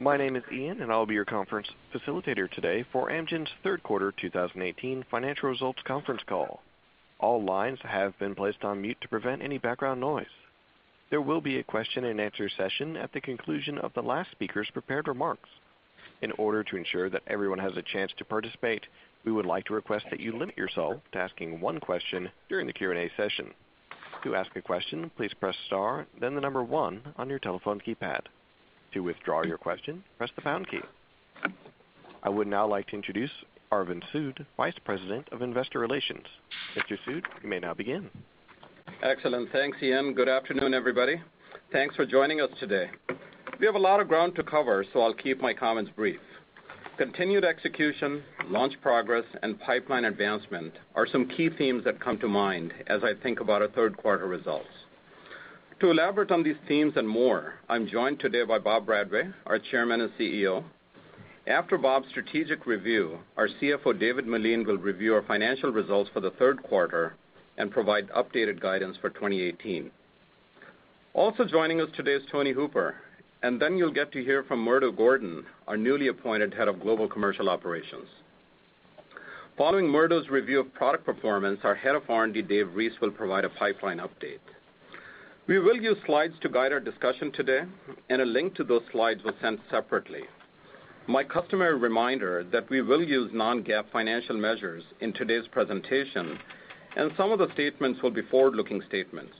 My name is Ian, and I'll be your conference facilitator today for Amgen's third quarter 2018 financial results conference call. All lines have been placed on mute to prevent any background noise. There will be a question and answer session at the conclusion of the last speaker's prepared remarks. In order to ensure that everyone has a chance to participate, we would like to request that you limit yourself to asking one question during the Q&A session. To ask a question, please press star, then the number one on your telephone keypad. To withdraw your question, press the pound key. I would now like to introduce Arvind Sood, Vice President of Investor Relations. Mr. Sood, you may now begin. Excellent. Thanks, Ian. Good afternoon, everybody. Thanks for joining us today. We have a lot of ground to cover, so I'll keep my comments brief. Continued execution, launch progress, and pipeline advancement are some key themes that come to mind as I think about our third quarter results. To elaborate on these themes and more, I'm joined today by Bob Bradway, our Chairman and CEO. After Bob's strategic review, our CFO, David Meline, will review our financial results for the third quarter and provide updated guidance for 2018. Also joining us today is Tony Hooper, and then you'll get to hear from Murdo Gordon, our newly appointed Head of Global Commercial Operations. Following Murdo's review of product performance, our Head of R&D, Dave Reese, will provide a pipeline update. We will use slides to guide our discussion today, and a link to those slides was sent separately. My customary reminder that we will use non-GAAP financial measures in today's presentation, and some of the statements will be forward-looking statements.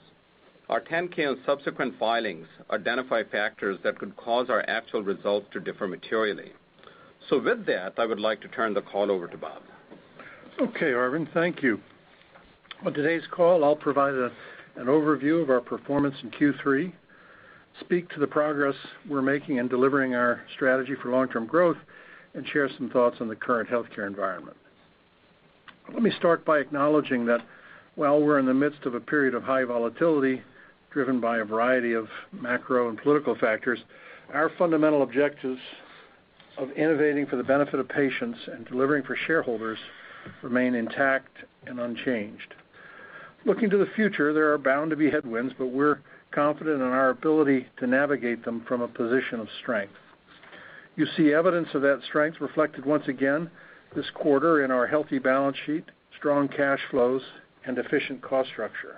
Our 10-K and subsequent filings identify factors that could cause our actual results to differ materially. With that, I would like to turn the call over to Bob. Okay, Arvind. Thank you. On today's call, I'll provide an overview of our performance in Q3, speak to the progress we're making in delivering our strategy for long-term growth, and share some thoughts on the current healthcare environment. Let me start by acknowledging that while we're in the midst of a period of high volatility driven by a variety of macro and political factors, our fundamental objectives of innovating for the benefit of patients and delivering for shareholders remain intact and unchanged. Looking to the future, there are bound to be headwinds, but we're confident in our ability to navigate them from a position of strength. You see evidence of that strength reflected once again this quarter in our healthy balance sheet, strong cash flows, and efficient cost structure.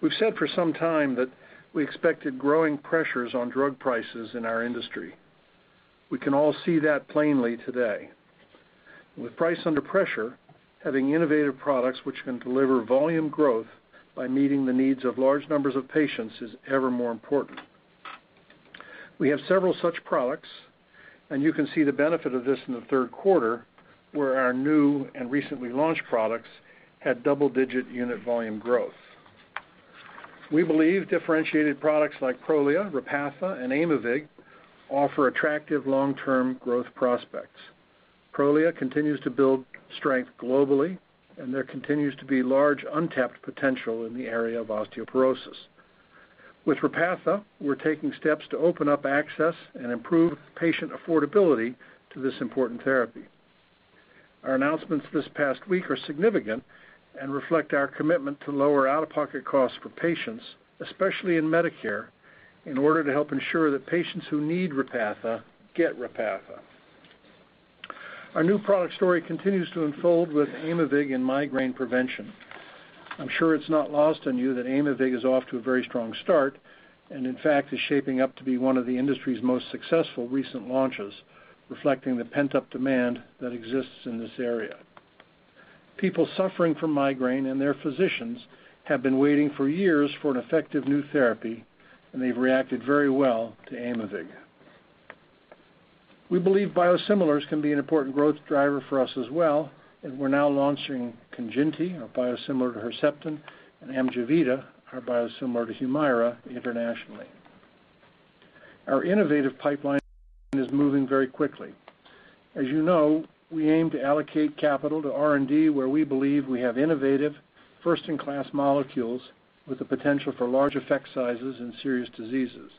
We've said for some time that we expected growing pressures on drug prices in our industry. We can all see that plainly today. With price under pressure, having innovative products which can deliver volume growth by meeting the needs of large numbers of patients is ever more important. We have several such products, and you can see the benefit of this in the third quarter, where our new and recently launched products had double-digit unit volume growth. We believe differentiated products like Prolia, Repatha, and Aimovig offer attractive long-term growth prospects. Prolia continues to build strength globally, and there continues to be large untapped potential in the area of osteoporosis. With Repatha, we're taking steps to open up access and improve patient affordability to this important therapy. Our announcements this past week are significant and reflect our commitment to lower out-of-pocket costs for patients, especially in Medicare, in order to help ensure that patients who need Repatha get Repatha. Our new product story continues to unfold with Aimovig in migraine prevention. I'm sure it's not lost on you that Aimovig is off to a very strong start and, in fact, is shaping up to be one of the industry's most successful recent launches, reflecting the pent-up demand that exists in this area. People suffering from migraine and their physicians have been waiting for years for an effective new therapy, and they've reacted very well to Aimovig. We believe biosimilars can be an important growth driver for us as well, and we're now launching KANJINTI, our biosimilar to Herceptin, and AMJEVITA, our biosimilar to HUMIRA, internationally. Our innovative pipeline is moving very quickly. As you know, we aim to allocate capital to R&D where we believe we have innovative first-in-class molecules with the potential for large effect sizes in serious diseases.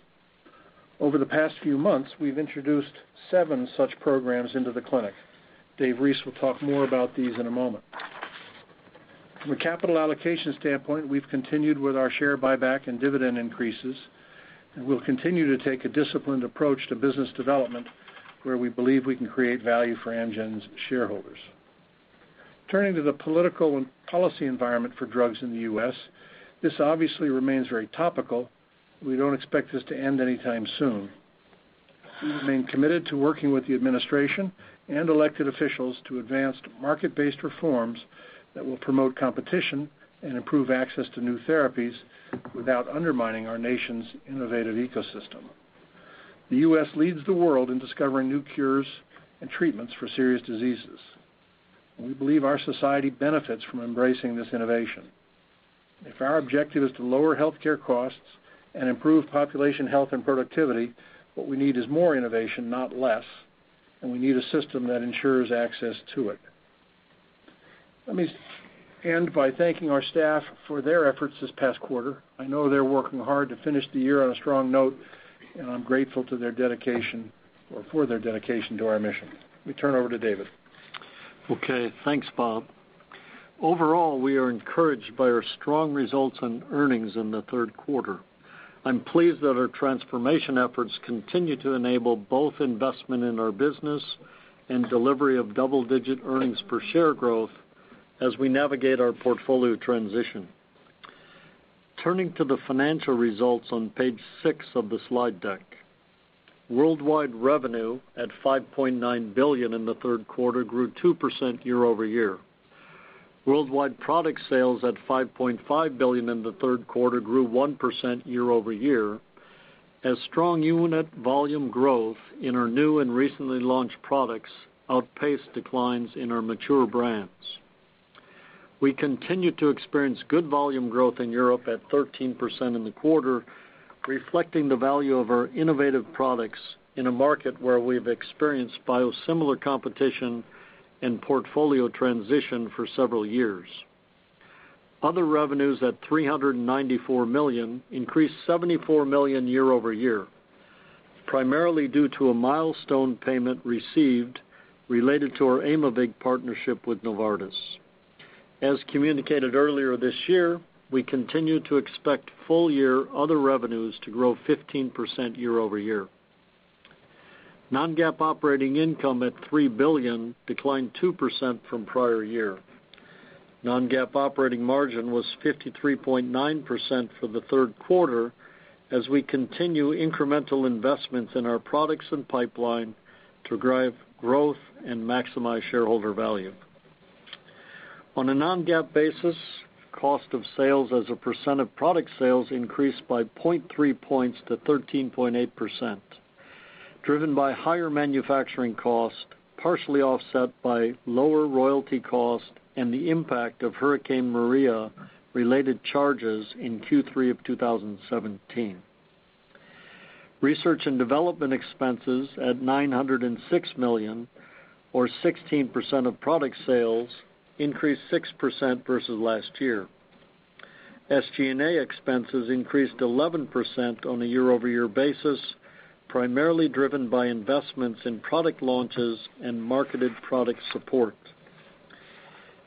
Over the past few months, we've introduced seven such programs into the clinic. David Reese will talk more about these in a moment. From a capital allocation standpoint, we've continued with our share buyback and dividend increases, and we'll continue to take a disciplined approach to business development where we believe we can create value for Amgen's shareholders. Turning to the political and policy environment for drugs in the U.S., this obviously remains very topical. We don't expect this to end anytime soon. We remain committed to working with the administration and elected officials to advance market-based reforms that will promote competition and improve access to new therapies without undermining our nation's innovative ecosystem. The U.S. leads the world in discovering new cures and treatments for serious diseases, and we believe our society benefits from embracing this innovation. If our objective is to lower healthcare costs and improve population health and productivity, what we need is more innovation, not less, and we need a system that ensures access to it. Let me end by thanking our staff for their efforts this past quarter. I know they're working hard to finish the year on a strong note, and I'm grateful for their dedication to our mission. Let me turn over to David. Okay, thanks, Bob. Overall, we are encouraged by our strong results on earnings in the third quarter. I'm pleased that our transformation efforts continue to enable both investment in our business and delivery of double-digit earnings per share growth as we navigate our portfolio transition. Turning to the financial results on page six of the slide deck. Worldwide revenue at $5.9 billion in the third quarter grew 2% year-over-year. Worldwide product sales at $5.5 billion in the third quarter grew 1% year-over-year, as strong unit volume growth in our new and recently launched products outpaced declines in our mature brands. We continue to experience good volume growth in Europe at 13% in the quarter, reflecting the value of our innovative products in a market where we've experienced biosimilar competition and portfolio transition for several years. Other revenues at $394 million increased $74 million year-over-year, primarily due to a milestone payment received related to our Aimovig partnership with Novartis. As communicated earlier this year, we continue to expect full year other revenues to grow 15% year-over-year. Non-GAAP operating income at $3 billion declined 2% from prior year. Non-GAAP operating margin was 53.9% for the third quarter as we continue incremental investments in our products and pipeline to drive growth and maximize shareholder value. On a non-GAAP basis, cost of sales as a percent of product sales increased by 0.3 points to 13.8%, driven by higher manufacturing cost, partially offset by lower royalty cost and the impact of Hurricane Maria related charges in Q3 2017. Research and development expenses at $906 million or 16% of product sales increased 6% versus last year. SG&A expenses increased 11% on a year-over-year basis, primarily driven by investments in product launches and marketed product support.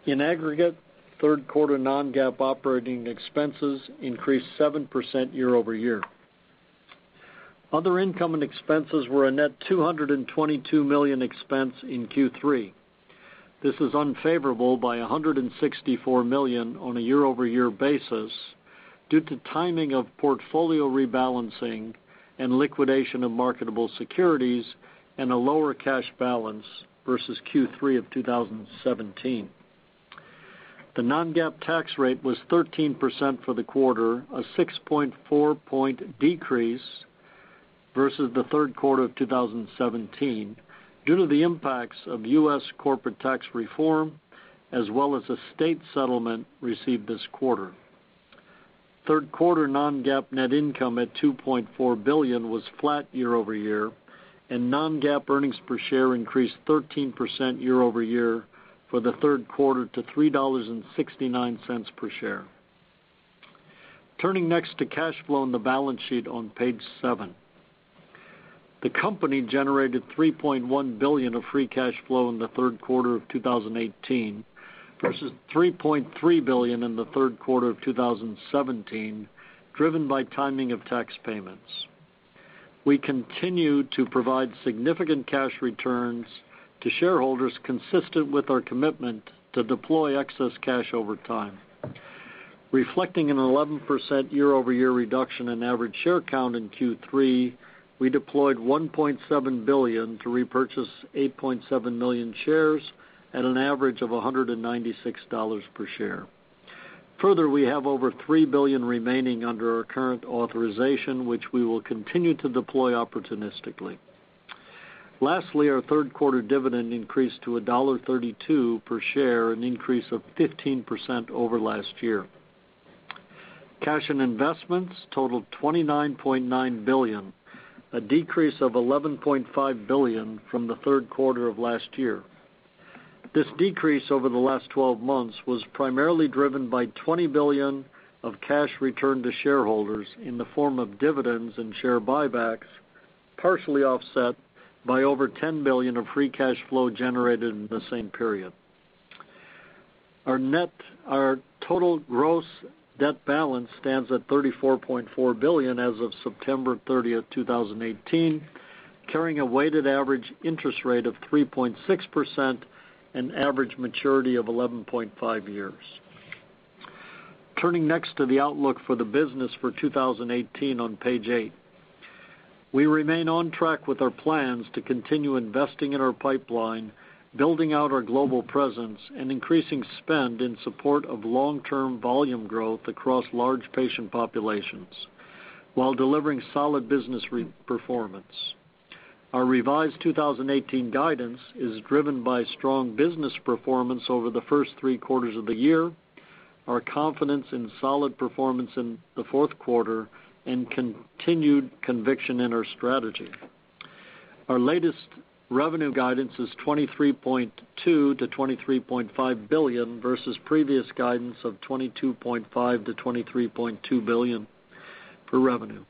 In aggregate, third quarter non-GAAP operating expenses increased 7% year-over-year. Other income and expenses were a net $222 million expense in Q3. This is unfavorable by $164 million on a year-over-year basis due to timing of portfolio rebalancing and liquidation of marketable securities and a lower cash balance versus Q3 2017. The non-GAAP tax rate was 13% for the quarter, a 6.4 point decrease versus the third quarter of 2017 due to the impacts of U.S. corporate tax reform as well as a state settlement received this quarter. Third quarter non-GAAP net income at $2.4 billion was flat year-over-year, and non-GAAP earnings per share increased 13% year-over-year for the third quarter to $3.69 per share. Turning next to cash flow in the balance sheet on page seven. The company generated $3.1 billion of free cash flow in the third quarter of 2018 versus $3.3 billion in the third quarter of 2017, driven by timing of tax payments. We continue to provide significant cash returns to shareholders consistent with our commitment to deploy excess cash over time. Reflecting an 11% year-over-year reduction in average share count in Q3, we deployed $1.7 billion to repurchase 8.7 million shares at an average of $196 per share. Further, we have over $3 billion remaining under our current authorization, which we will continue to deploy opportunistically. Lastly, our third quarter dividend increased to $1.32 per share, an increase of 15% over last year. Cash and investments totaled $29.9 billion, a decrease of $11.5 billion from the third quarter of last year. This decrease over the last 12 months was primarily driven by $20 billion of cash returned to shareholders in the form of dividends and share buybacks, partially offset by over $10 billion of free cash flow generated in the same period. Our total gross debt balance stands at $34.4 billion as of September 30, 2018, carrying a weighted average interest rate of 3.6% and average maturity of 11.5 years. Turning next to the outlook for the business for 2018 on page eight. We remain on track with our plans to continue investing in our pipeline, building out our global presence, and increasing spend in support of long-term volume growth across large patient populations while delivering solid business performance. Our revised 2018 guidance is driven by strong business performance over the first three quarters of the year, our confidence in solid performance in the fourth quarter, and continued conviction in our strategy. Our latest revenue guidance is $23.2 billion-$23.5 billion versus previous guidance of $22.5 billion-$23.2 billion for revenue.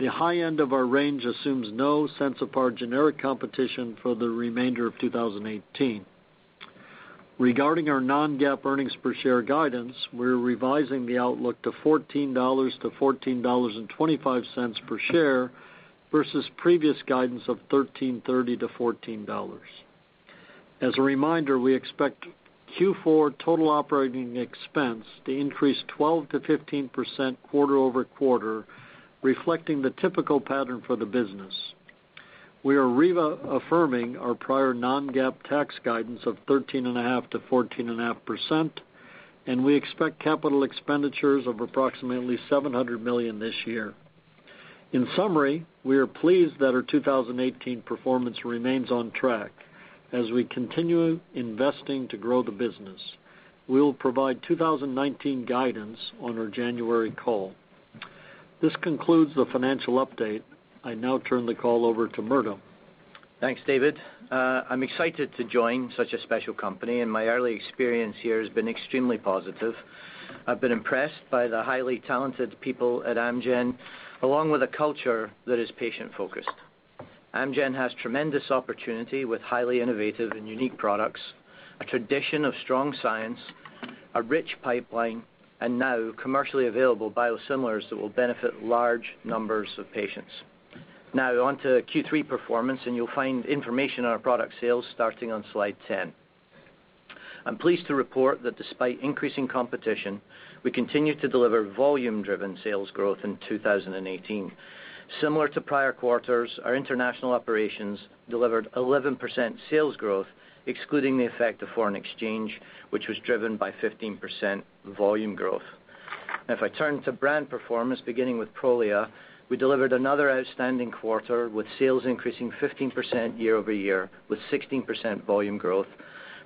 The high end of our range assumes no Sensipar generic competition for the remainder of 2018. Regarding our non-GAAP earnings per share guidance, we're revising the outlook to $14-$14.25 per share versus previous guidance of $13.30-$14. As a reminder, we expect Q4 total operating expense to increase 12%-15% quarter-over-quarter, reflecting the typical pattern for the business. We are reaffirming our prior non-GAAP tax guidance of 13.5%-14.5%, and we expect capital expenditures of approximately $700 million this year. In summary, we are pleased that our 2018 performance remains on track as we continue investing to grow the business. We'll provide 2019 guidance on our January call. This concludes the financial update. I now turn the call over to Murdo. Thanks, David. I'm excited to join such a special company, and my early experience here has been extremely positive. I've been impressed by the highly talented people at Amgen, along with a culture that is patient-focused. Amgen has tremendous opportunity with highly innovative and unique products, a tradition of strong science, a rich pipeline, and now commercially available biosimilars that will benefit large numbers of patients. Now on to Q3 performance, and you'll find information on our product sales starting on Slide 10. I'm pleased to report that despite increasing competition, we continue to deliver volume-driven sales growth in 2018. Similar to prior quarters, our international operations delivered 11% sales growth, excluding the effect of foreign exchange, which was driven by 15% volume growth. If I turn to brand performance, beginning with Prolia, we delivered another outstanding quarter, with sales increasing 15% year-over-year, with 16% volume growth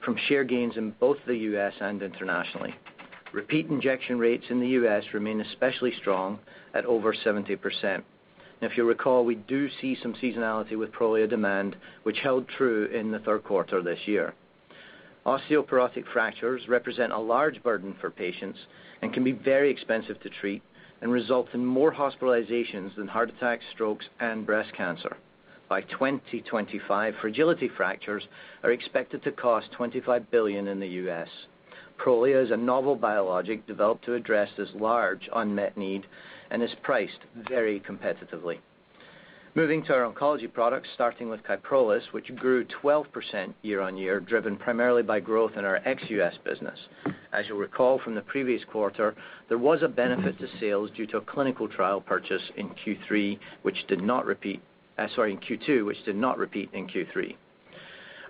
from share gains in both the U.S. and internationally. Repeat injection rates in the U.S. remain especially strong at over 70%. If you'll recall, we do see some seasonality with Prolia demand, which held true in the third quarter this year. Osteoporotic fractures represent a large burden for patients and can be very expensive to treat and result in more hospitalizations than heart attacks, strokes, and breast cancer. By 2025, fragility fractures are expected to cost $25 billion in the U.S. Prolia is a novel biologic developed to address this large unmet need and is priced very competitively. Moving to our oncology products, starting with KYPROLIS, which grew 12% year-on-year, driven primarily by growth in our ex-U.S. business. You'll recall from the previous quarter, there was a benefit to sales due to a clinical trial purchase in Q2, which did not repeat in Q3.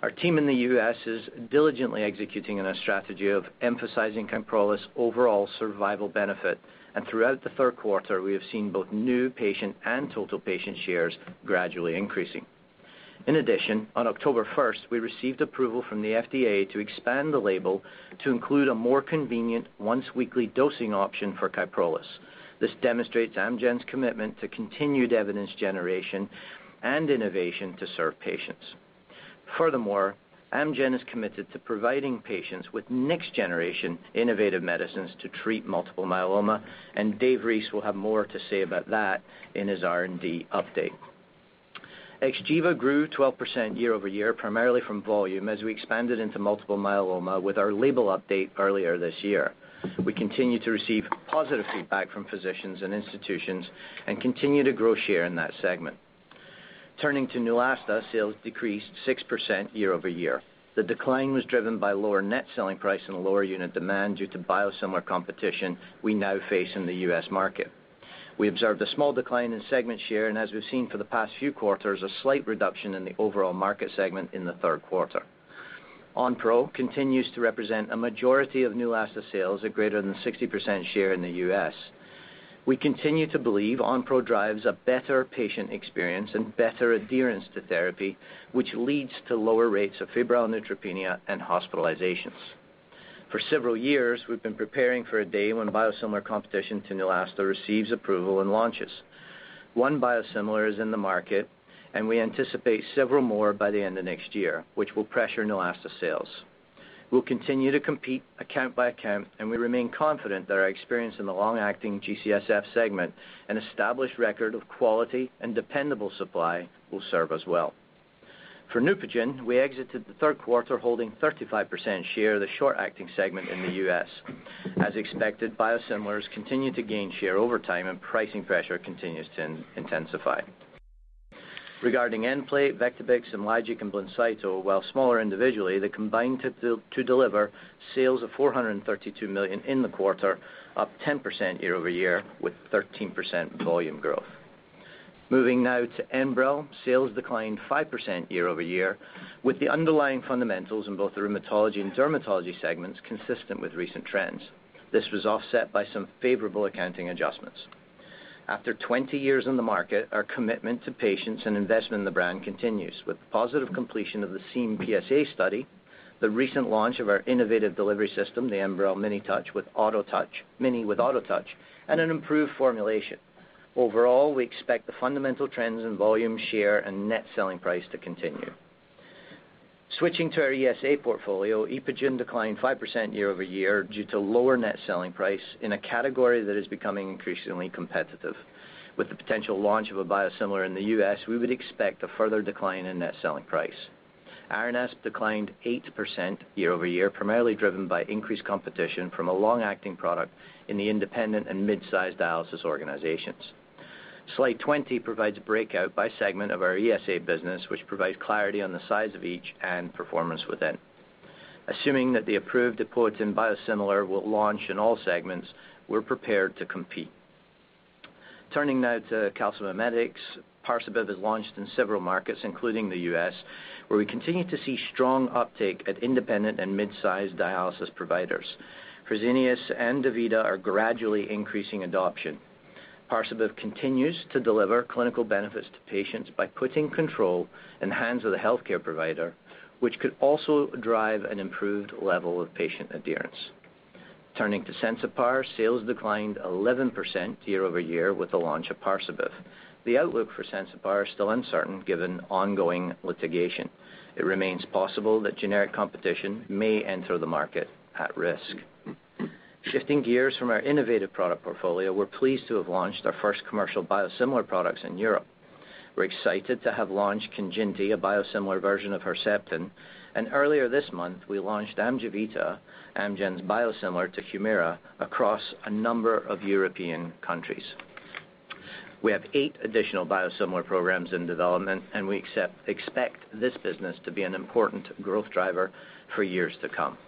Our team in the U.S. is diligently executing on a strategy of emphasizing KYPROLIS' overall survival benefit, and throughout the third quarter, we have seen both new patient and total patient shares gradually increasing. In addition, on October 1st, we received approval from the FDA to expand the label to include a more convenient once-weekly dosing option for KYPROLIS. This demonstrates Amgen's commitment to continued evidence generation and innovation to serve patients. Furthermore, Amgen is committed to providing patients with next-generation innovative medicines to treat multiple myeloma, and Dave Reese will have more to say about that in his R&D update. XGEVA grew 12% year-over-year, primarily from volume as we expanded into multiple myeloma with our label update earlier this year. We continue to receive positive feedback from physicians and institutions and continue to grow share in that segment. Turning to Neulasta, sales decreased 6% year-over-year. The decline was driven by lower net selling price and lower unit demand due to biosimilar competition we now face in the U.S. market. We observed a small decline in segment share, and as we've seen for the past few quarters, a slight reduction in the overall market segment in the third quarter. Onpro continues to represent a majority of Neulasta sales at greater than 60% share in the U.S. We continue to believe Onpro drives a better patient experience and better adherence to therapy, which leads to lower rates of febrile neutropenia and hospitalizations. For several years, we've been preparing for a day when a biosimilar competition to Neulasta receives approval and launches. One biosimilar is in the market, and we anticipate several more by the end of next year, which will pressure Neulasta sales. We'll continue to compete account by account, and we remain confident that our experience in the long-acting GCSF segment and established record of quality and dependable supply will serve us well. For NEUPOGEN, we exited the third quarter holding 35% share of the short-acting segment in the U.S. As expected, biosimilars continue to gain share over time and pricing pressure continues to intensify. Regarding Nplate, VECTIBIX, IMLYGIC, and BLINCYTO, while smaller individually, they combined to deliver sales of $432 million in the quarter, up 10% year-over-year with 13% volume growth. Moving now to ENBREL. Sales declined 5% year-over-year with the underlying fundamentals in both the rheumatology and dermatology segments consistent with recent trends. This was offset by some favorable accounting adjustments. After 20 years in the market, our commitment to patients and investment in the brand continues with the positive completion of the SEAM-PsA study, the recent launch of our innovative delivery system, the ENBREL Mini with AutoTouch, and an improved formulation. Overall, we expect the fundamental trends in volume share and net selling price to continue. Switching to our ESA portfolio, EPOGEN declined 5% year-over-year due to lower net selling price in a category that is becoming increasingly competitive. With the potential launch of a biosimilar in the U.S., we would expect a further decline in net selling price. ARANESP declined 8% year-over-year, primarily driven by increased competition from a long-acting product in the independent and mid-sized dialysis organizations. Slide 20 provides breakout by segment of our ESA business, which provides clarity on the size of each and performance within. Assuming that the approved EPOGEN biosimilar will launch in all segments, we're prepared to compete. Turning now to calcimimetics, Parsabiv has launched in several markets, including the U.S., where we continue to see strong uptake at independent and mid-sized dialysis providers. Fresenius and DaVita are gradually increasing adoption. Parsabiv continues to deliver clinical benefits to patients by putting control in the hands of the healthcare provider, which could also drive an improved level of patient adherence. Turning to Sensipar, sales declined 11% year-over-year with the launch of Parsabiv. The outlook for Sensipar is still uncertain given ongoing litigation. It remains possible that generic competition may enter the market at risk. Shifting gears from our innovative product portfolio, we're pleased to have launched our first commercial biosimilar products in Europe. We're excited to have launched KANJINTI, a biosimilar version of Herceptin, and earlier this month we launched AMJEVITA, Amgen's biosimilar to HUMIRA, across a number of European countries. We have eight additional biosimilar programs in development, and we expect this business to be an important growth driver for years to come.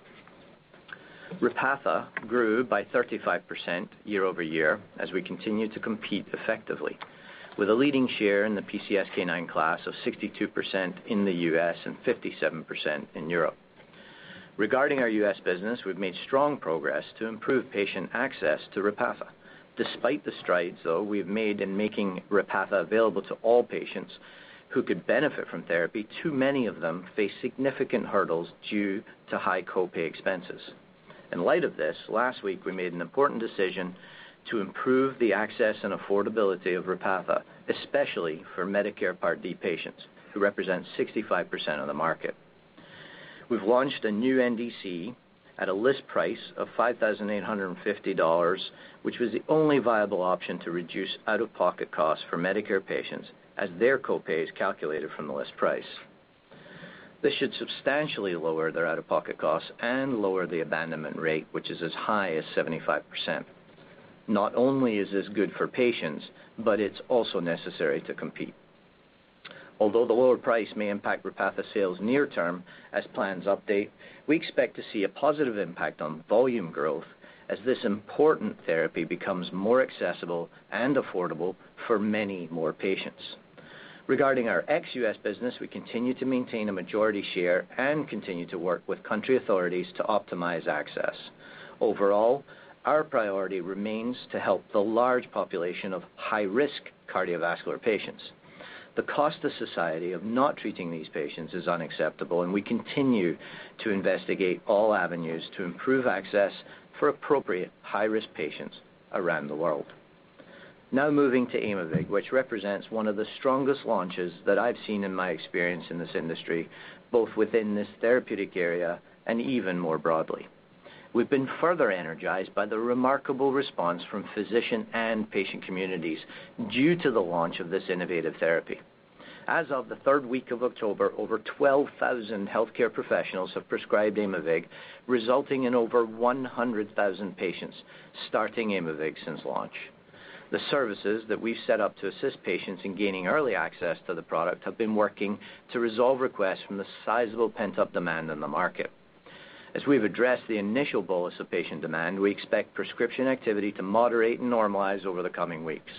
Repatha grew by 35% year-over-year as we continue to compete effectively, with a leading share in the PCSK9 class of 62% in the U.S. and 57% in Europe. Regarding our U.S. business, we've made strong progress to improve patient access to Repatha. Despite the strides, though, we've made in making Repatha available to all patients who could benefit from therapy, too many of them face significant hurdles due to high co-pay expenses. In light of this, last week we made an important decision to improve the access and affordability of Repatha, especially for Medicare Part D patients, who represent 65% of the market. We've launched a new NDC at a list price of $5,850, which was the only viable option to reduce out-of-pocket costs for Medicare patients as their co-pay is calculated from the list price. This should substantially lower their out-of-pocket costs and lower the abandonment rate, which is as high as 75%. Not only is this good for patients, but it's also necessary to compete. Although the lower price may impact Repatha sales near term, as plans update, we expect to see a positive impact on volume growth as this important therapy becomes more accessible and affordable for many more patients. Regarding our ex-U.S. business, we continue to maintain a majority share and continue to work with country authorities to optimize access. Overall, our priority remains to help the large population of high-risk cardiovascular patients. The cost to society of not treating these patients is unacceptable, and we continue to investigate all avenues to improve access for appropriate high-risk patients around the world. Moving to Aimovig, which represents one of the strongest launches that I've seen in my experience in this industry, both within this therapeutic area and even more broadly. We've been further energized by the remarkable response from physician and patient communities due to the launch of this innovative therapy. Of the third week of October, over 12,000 healthcare professionals have prescribed Aimovig, resulting in over 100,000 patients starting Aimovig since launch. The services that we've set up to assist patients in gaining early access to the product have been working to resolve requests from the sizable pent-up demand in the market. We've addressed the initial bolus of patient demand, we expect prescription activity to moderate and normalize over the coming weeks.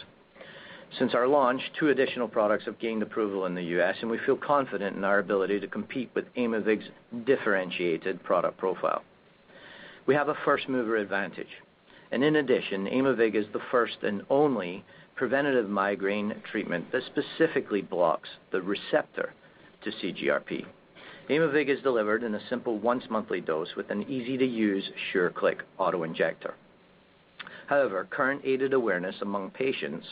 Since our launch, two additional products have gained approval in the U.S., and we feel confident in our ability to compete with Aimovig's differentiated product profile. We have a first-mover advantage, and in addition, Aimovig is the first and only preventative migraine treatment that specifically blocks the receptor to CGRP. Aimovig is delivered in a simple once-monthly dose with an easy-to-use SureClick auto-injector. Current aided awareness among patients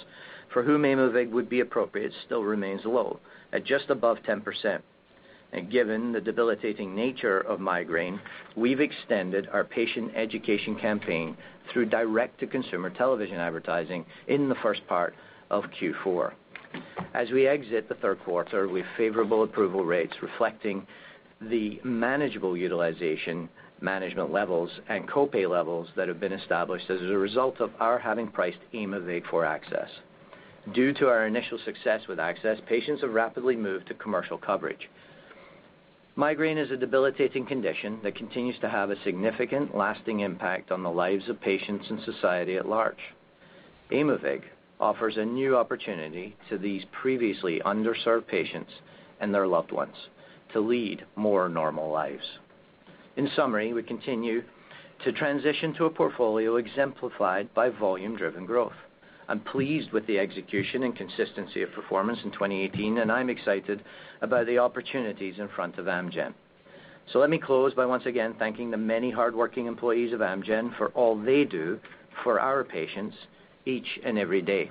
for whom Aimovig would be appropriate still remains low at just above 10%. Given the debilitating nature of migraine, we've extended our patient education campaign through direct-to-consumer television advertising in the first part of Q4. We exit the third quarter with favorable approval rates reflecting the manageable utilization management levels and co-pay levels that have been established as a result of our having priced Aimovig for access. Due to our initial success with access, patients have rapidly moved to commercial coverage. Migraine is a debilitating condition that continues to have a significant, lasting impact on the lives of patients and society at large. Aimovig offers a new opportunity to these previously underserved patients and their loved ones to lead more normal lives. In summary, we continue to transition to a portfolio exemplified by volume-driven growth. I'm pleased with the execution and consistency of performance in 2018, and I'm excited about the opportunities in front of Amgen. Let me close by once again thanking the many hardworking employees of Amgen for all they do for our patients each and every day.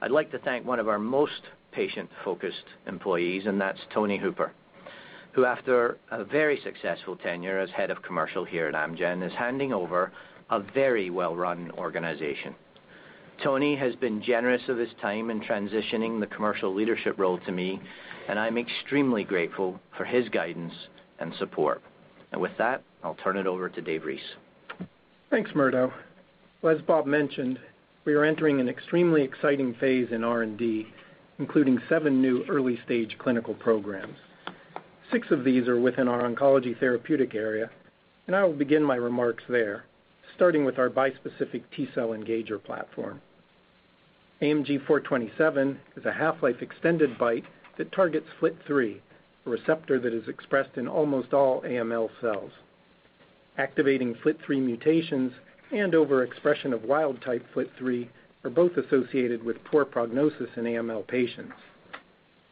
I'd like to thank one of our most patient-focused employees, and that's Tony Hooper, who after a very successful tenure as head of commercial here at Amgen, is handing over a very well-run organization. Tony has been generous of his time in transitioning the commercial leadership role to me, and I'm extremely grateful for his guidance and support. With that, I'll turn it over to Dave Reese. Thanks, Murdo. As Bob mentioned, we are entering an extremely exciting phase in R&D, including seven new early-stage clinical programs. Six of these are within our oncology therapeutic area. I will begin my remarks there, starting with our bispecific T-cell engager platform. AMG 427 is a half-life extended BiTE that targets FLT3, a receptor that is expressed in almost all AML cells. Activating FLT3 mutations and overexpression of wild-type FLT3 are both associated with poor prognosis in AML patients.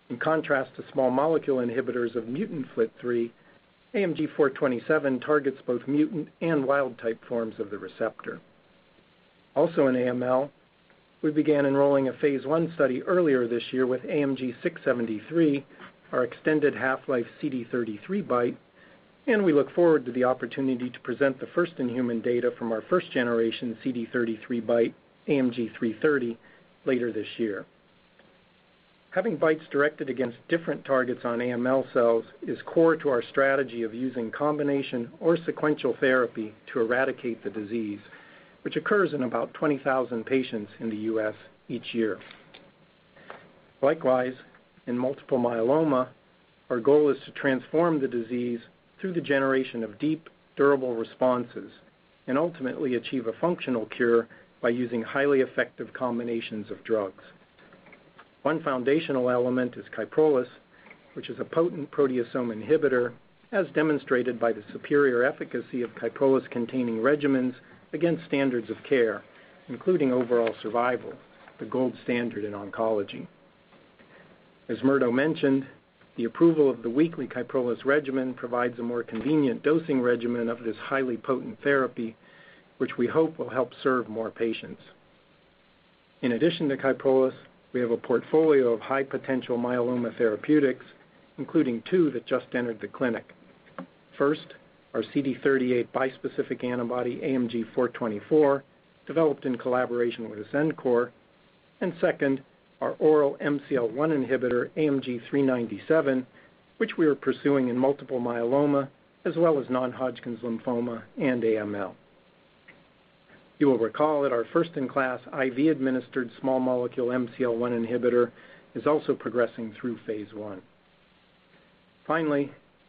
In contrast to small molecule inhibitors of mutant FLT3, AMG 427 targets both mutant and wild-type forms of the receptor. Also in AML, we began enrolling a phase I study earlier this year with AMG 673, our extended half-life CD33 BiTE. We look forward to the opportunity to present the first-in-human data from our first-generation CD33 BiTE, AMG 330, later this year. Having BiTEs directed against different targets on AML cells is core to our strategy of using combination or sequential therapy to eradicate the disease, which occurs in about 20,000 patients in the U.S. each year. Likewise, in multiple myeloma, our goal is to transform the disease through the generation of deep, durable responses and ultimately achieve a functional cure by using highly effective combinations of drugs. One foundational element is KYPROLIS, which is a potent proteasome inhibitor, as demonstrated by the superior efficacy of KYPROLIS-containing regimens against standards of care, including overall survival, the gold standard in oncology. As Murdo mentioned, the approval of the weekly KYPROLIS regimen provides a more convenient dosing regimen of this highly potent therapy, which we hope will help serve more patients. In addition to KYPROLIS, we have a portfolio of high-potential myeloma therapeutics, including two that just entered the clinic. Our CD38 bispecific antibody, AMG 424, developed in collaboration with Xencor. Second, our oral MCL-1 inhibitor, AMG 397, which we are pursuing in multiple myeloma, as well as non-Hodgkin's lymphoma and AML. You will recall that our first-in-class IV-administered small molecule MCL-1 inhibitor is also progressing through phase I.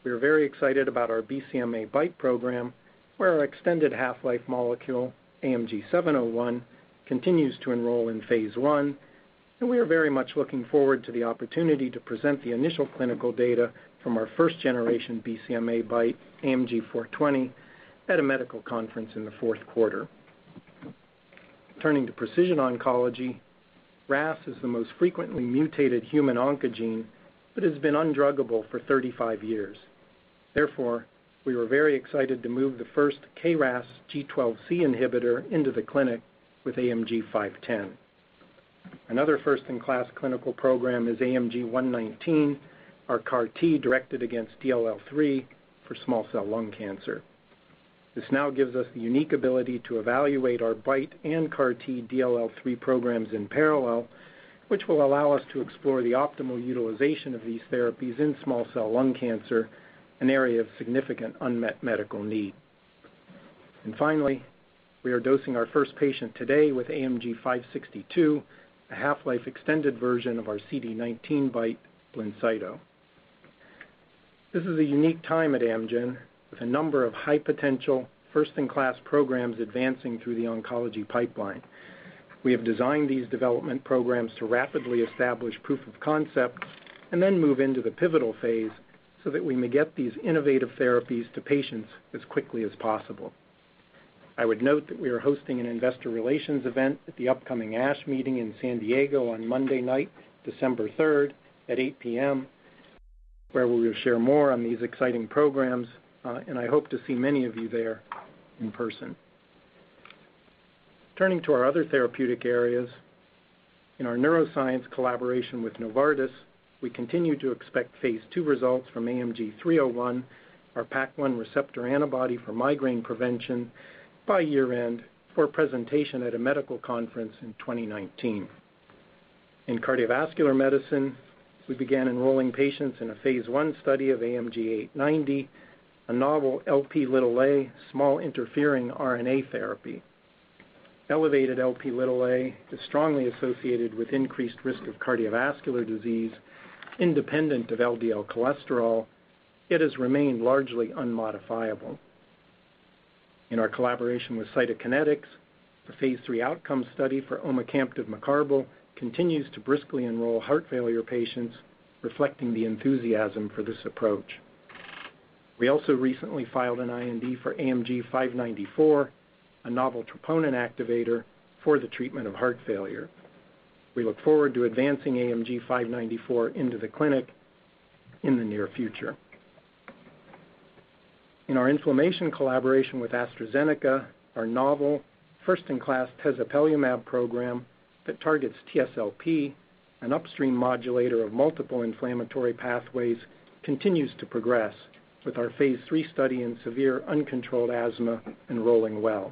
We are very excited about our BCMA BiTE program, where our extended half-life molecule, AMG 701, continues to enroll in phase I. We are very much looking forward to the opportunity to present the initial clinical data from our first-generation BCMA BiTE, AMG 420, at a medical conference in the fourth quarter. Turning to precision oncology, RAS is the most frequently mutated human oncogene, but has been undruggable for 35 years. We were very excited to move the first KRAS G12C inhibitor into the clinic with AMG 510. Another first-in-class clinical program is AMG 119, our CAR T directed against DLL3 for small cell lung cancer. This now gives us the unique ability to evaluate our BiTE and CAR T DLL3 programs in parallel, which will allow us to explore the optimal utilization of these therapies in small cell lung cancer, an area of significant unmet medical need. Finally, we are dosing our first patient today with AMG 562, a half-life extended version of our CD19 BiTE, BLINCYTO. This is a unique time at Amgen, with a number of high-potential, first-in-class programs advancing through the oncology pipeline. We have designed these development programs to rapidly establish proof of concept to move into the pivotal phase so that we may get these innovative therapies to patients as quickly as possible. I would note that we are hosting an investor relations event at the upcoming ASH meeting in San Diego on Monday night, December 3rd at 8:00 P.M., where we will share more on these exciting programs, and I hope to see many of you there in person. Turning to our other therapeutic areas, in our neuroscience collaboration with Novartis, we continue to expect phase II results from AMG 301, our PAC1 receptor antibody for migraine prevention, by year-end for presentation at a medical conference in 2019. In cardiovascular medicine, we began enrolling patients in a phase I study of AMG 890, a novel Lp(a) small interfering RNA therapy. Elevated Lp(a) is strongly associated with increased risk of cardiovascular disease independent of LDL cholesterol, yet has remained largely unmodifiable. In our collaboration with Cytokinetics, the phase III outcome study for omacamtiv mecarbil continues to briskly enroll heart failure patients, reflecting the enthusiasm for this approach. We also recently filed an IND for AMG 594, a novel troponin activator, for the treatment of heart failure. We look forward to advancing AMG 594 into the clinic in the near future. In our inflammation collaboration with AstraZeneca, our novel first-in-class tezepelumab program that targets TSLP, an upstream modulator of multiple inflammatory pathways, continues to progress with our phase III study in severe uncontrolled asthma enrolling well.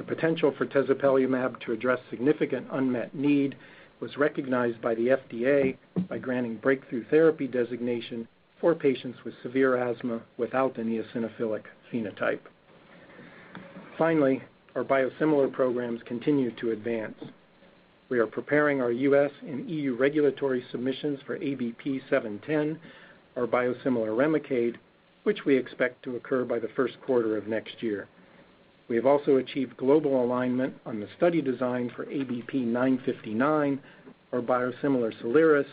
The potential for tezepelumab to address significant unmet need was recognized by the FDA by granting breakthrough therapy designation for patients with severe asthma without an eosinophilic phenotype. Finally, our biosimilar programs continue to advance. We are preparing our U.S. and EU regulatory submissions for ABP-710, our biosimilar REMICADE, which we expect to occur by the first quarter of next year. We have also achieved global alignment on the study design for ABP-959, our biosimilar SOLIRIS,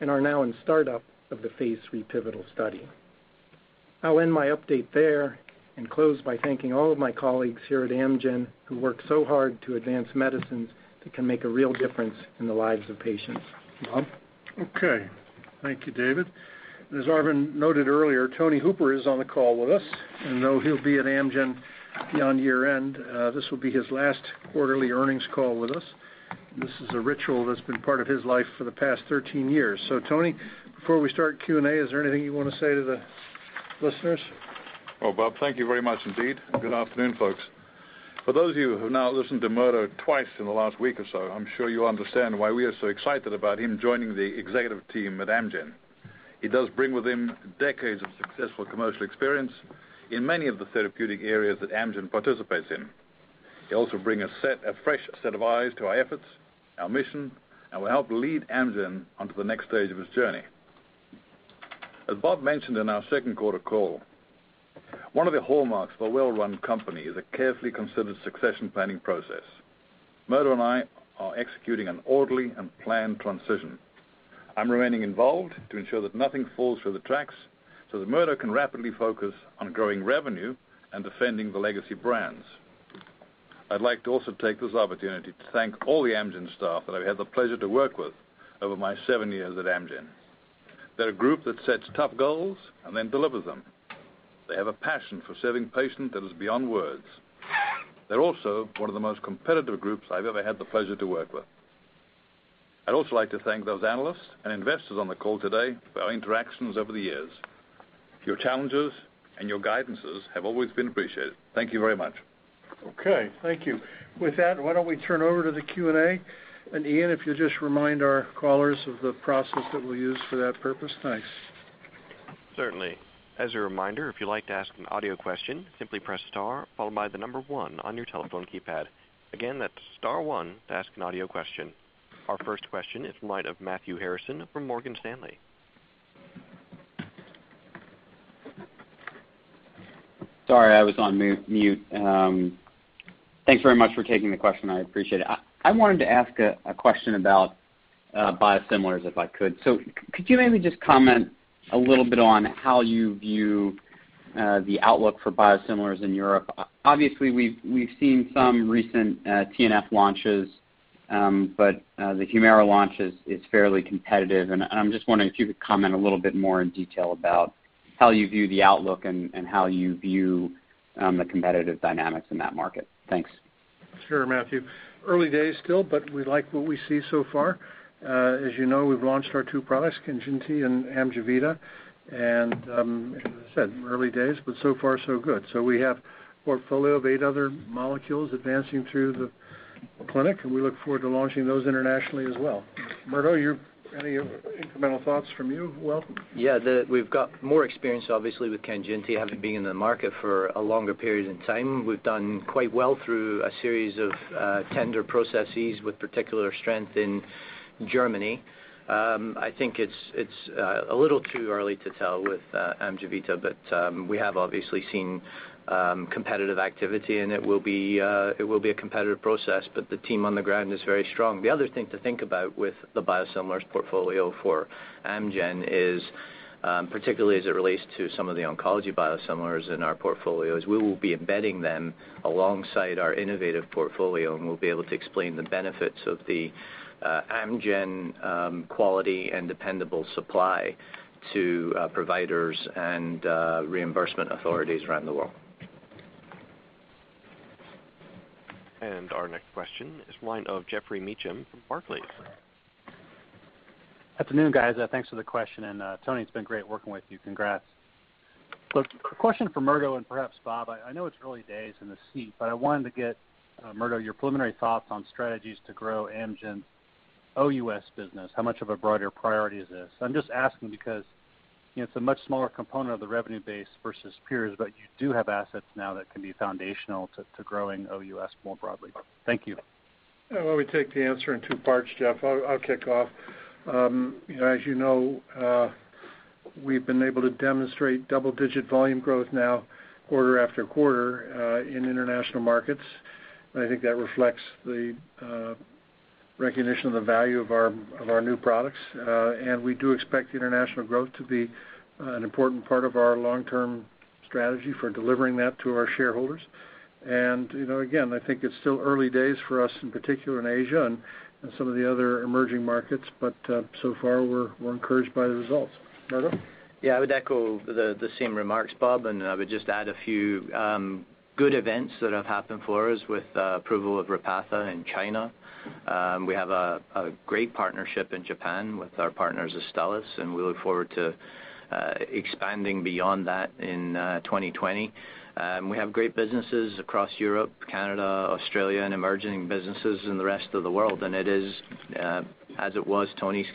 and are now in startup of the phase III pivotal study. I'll end my update there and close by thanking all of my colleagues here at Amgen who work so hard to advance medicines that can make a real difference in the lives of patients. Bob? Okay. Thank you, David. As Arvind noted earlier, Tony Hooper is on the call with us, and though he'll be at Amgen beyond year-end, this will be his last quarterly earnings call with us. This is a ritual that's been part of his life for the past 13 years. Tony, before we start Q&A, is there anything you want to say to the listeners? Well, Bob, thank you very much indeed. Good afternoon, folks. For those of you who have now listened to Murdo twice in the last week or so, I'm sure you understand why we are so excited about him joining the executive team at Amgen. He does bring with him decades of successful commercial experience in many of the therapeutic areas that Amgen participates in. He also brings a fresh set of eyes to our efforts, our mission, and will help lead Amgen onto the next stage of its journey. As Bob mentioned in our second quarter call, one of the hallmarks of a well-run company is a carefully considered succession planning process. Murdo and I are executing an orderly and planned transition. I'm remaining involved to ensure that nothing falls through the tracks, so that Murdo can rapidly focus on growing revenue and defending the legacy brands. I'd like to also take this opportunity to thank all the Amgen staff that I've had the pleasure to work with over my seven years at Amgen. They're a group that sets tough goals and then delivers them. They have a passion for serving patients that is beyond words. They're also one of the most competitive groups I've ever had the pleasure to work with. I'd also like to thank those analysts and investors on the call today for our interactions over the years. Your challenges and your guidances have always been appreciated. Thank you very much. Okay, thank you. With that, why don't we turn over to the Q&A? Ian, if you'll just remind our callers of the process that we'll use for that purpose. Thanks. Certainly. As a reminder, if you'd like to ask an audio question, simply press star followed by the number one on your telephone keypad. Again, that's star one to ask an audio question. Our first question is from the line of Matthew Harrison from Morgan Stanley. Sorry, I was on mute. Thanks very much for taking the question. I appreciate it. I wanted to ask a question about biosimilars if I could. Could you maybe just comment a little bit on how you view the outlook for biosimilars in Europe? Obviously, we've seen some recent TNF launches, but the HUMIRA launch is fairly competitive, and I'm just wondering if you could comment a little bit more in detail about how you view the outlook and how you view the competitive dynamics in that market. Thanks. Sure, Matthew. Early days still, but we like what we see so far. As you know, we've launched our two products, KANJINTI and AMJEVITA, and as I said, early days, but so far so good. We have a portfolio of eight other molecules advancing through the clinic, and we look forward to launching those internationally as well. Murdo, any incremental thoughts from you as well? Yeah. We've got more experience, obviously, with KANJINTI having been in the market for a longer period of time. We've done quite well through a series of tender processes, with particular strength in Germany. I think it's a little too early to tell with AMJEVITA, but we have obviously seen competitive activity, and it will be a competitive process, but the team on the ground is very strong. The other thing to think about with the biosimilars portfolio for Amgen is, particularly as it relates to some of the oncology biosimilars in our portfolios, we will be embedding them alongside our innovative portfolio, and we'll be able to explain the benefits of the Amgen quality and dependable supply to providers and reimbursement authorities around the world. Our next question is the line of Geoffrey Meacham from Barclays. Afternoon, guys. Thanks for the question, and Tony, it's been great working with you. Congrats. Look, a question for Murdo and perhaps Bob. I know it's early days in the seat, but I wanted to get, Murdo, your preliminary thoughts on strategies to grow Amgen's OUS business. How much of a broader priority is this? I'm just asking because it's a much smaller component of the revenue base versus peers, but you do have assets now that can be foundational to growing OUS more broadly. Thank you. Why don't we take the answer in two parts, Jeff? I'll kick off. As you know, we've been able to demonstrate double-digit volume growth now quarter after quarter in international markets. I think that reflects the recognition of the value of our new products. We do expect the international growth to be an important part of our long-term strategy for delivering that to our shareholders. Again, I think it's still early days for us, in particular in Asia and some of the other emerging markets. So far, we're encouraged by the results. Murdo? Yeah, I would echo the same remarks, Bob, and I would just add a few good events that have happened for us with approval of Repatha in China. We have a great partnership in Japan with our partners, Astellas, and we look forward to expanding beyond that in 2020. We have great businesses across Europe, Canada, Australia, and emerging businesses in the rest of the world. It is, as it was Tony's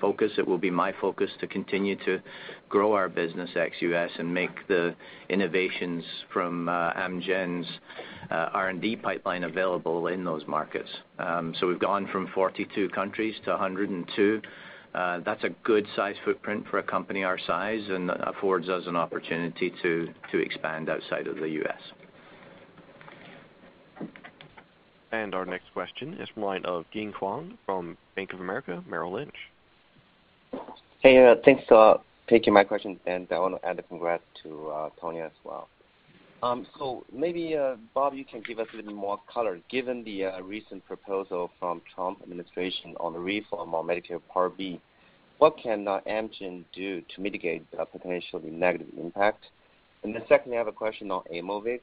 focus, it will be my focus to continue to grow our business ex-U.S. and make the innovations from Amgen's R&D pipeline available in those markets. We've gone from 42 countries to 102. That's a good size footprint for a company our size and affords us an opportunity to expand outside of the U.S. Our next question is from the line of Ying Huang from Bank of America Merrill Lynch. Hey, thanks for taking my question, and I want to add a congrats to Tony as well. Maybe, Bob, you can give us a little more color. Given the recent proposal from Trump administration on the reform on Medicare Part B, what can Amgen do to mitigate the potentially negative impact? Secondly, I have a question on Aimovig.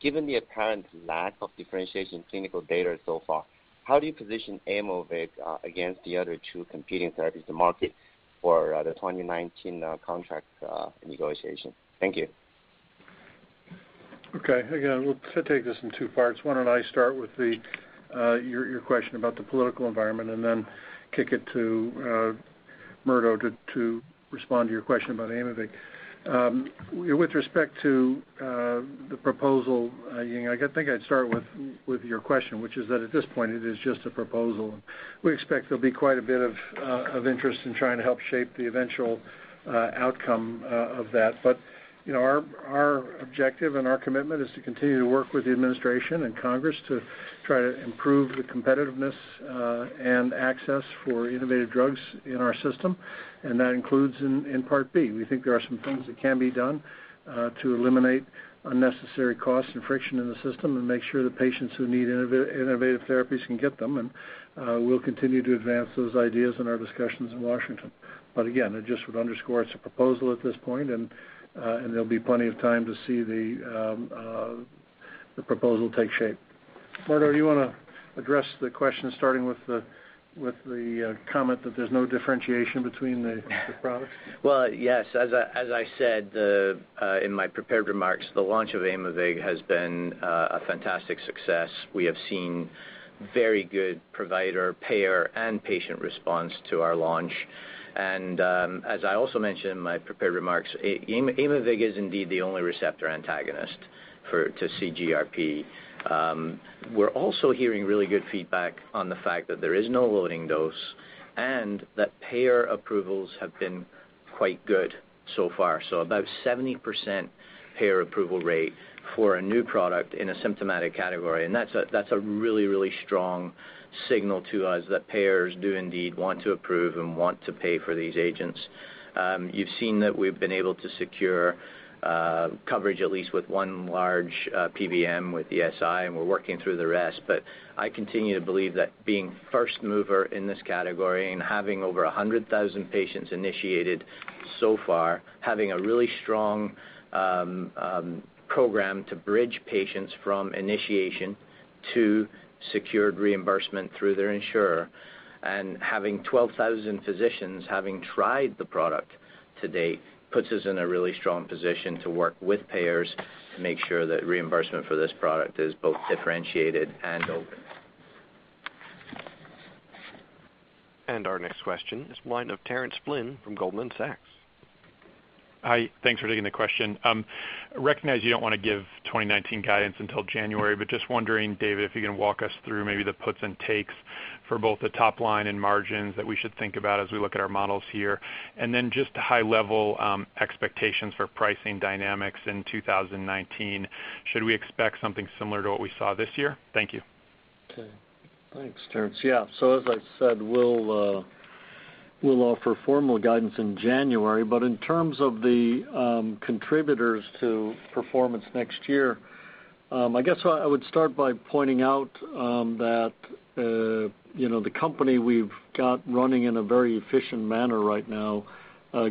Given the apparent lack of differentiation clinical data so far, how do you position Aimovig against the other two competing therapies in the market for the 2019 contract negotiation? Thank you. Okay. We'll take this in two parts. Why don't I start with your question about the political environment and then kick it to Murdo to respond to your question about Aimovig. With respect to the proposal, Ying, I think I'd start with your question, which is that at this point it is just a proposal. We expect there'll be quite a bit of interest in trying to help shape the eventual outcome of that. Our objective and our commitment is to continue to work with the administration and Congress to try to improve the competitiveness and access for innovative drugs in our system, that includes in Part B. We think there are some things that can be done to eliminate unnecessary costs and friction in the system and make sure that patients who need innovative therapies can get them, we'll continue to advance those ideas in our discussions in Washington. Again, I just would underscore it's a proposal at this point, there'll be plenty of time to see the proposal take shape. Murdo, do you want to address the question, starting with the comment that there's no differentiation between the products? Well, yes. As I said in my prepared remarks, the launch of Aimovig has been a fantastic success. We have seen very good provider, payer, and patient response to our launch. As I also mentioned in my prepared remarks, Aimovig is indeed the only receptor antagonist to CGRP. We're also hearing really good feedback on the fact that there is no loading dose and that payer approvals have been quite good so far. About 70% payer approval rate for a new product in a symptomatic category, and that's a really, really strong signal to us that payers do indeed want to approve and want to pay for these agents. You've seen that we've been able to secure coverage at least with one large PBM with ESI. We're working through the rest. I continue to believe that being first mover in this category and having over 100,000 patients initiated so far, having a really strong program to bridge patients from initiation to secured reimbursement through their insurer, and having 12,000 physicians having tried the product to date puts us in a really strong position to work with payers to make sure that reimbursement for this product is both differentiated and open. Our next question is the line of Terence Flynn from Goldman Sachs. Hi. Thanks for taking the question. I recognize you don't want to give 2019 guidance until January, just wondering, David, if you can walk us through maybe the puts and takes for both the top line and margins that we should think about as we look at our models here. Then just high level expectations for pricing dynamics in 2019. Should we expect something similar to what we saw this year? Thank you. Okay. Thanks, Terence. As I said, we'll offer formal guidance in January, but in terms of the contributors to performance next year, I guess I would start by pointing out that the company we've got running in a very efficient manner right now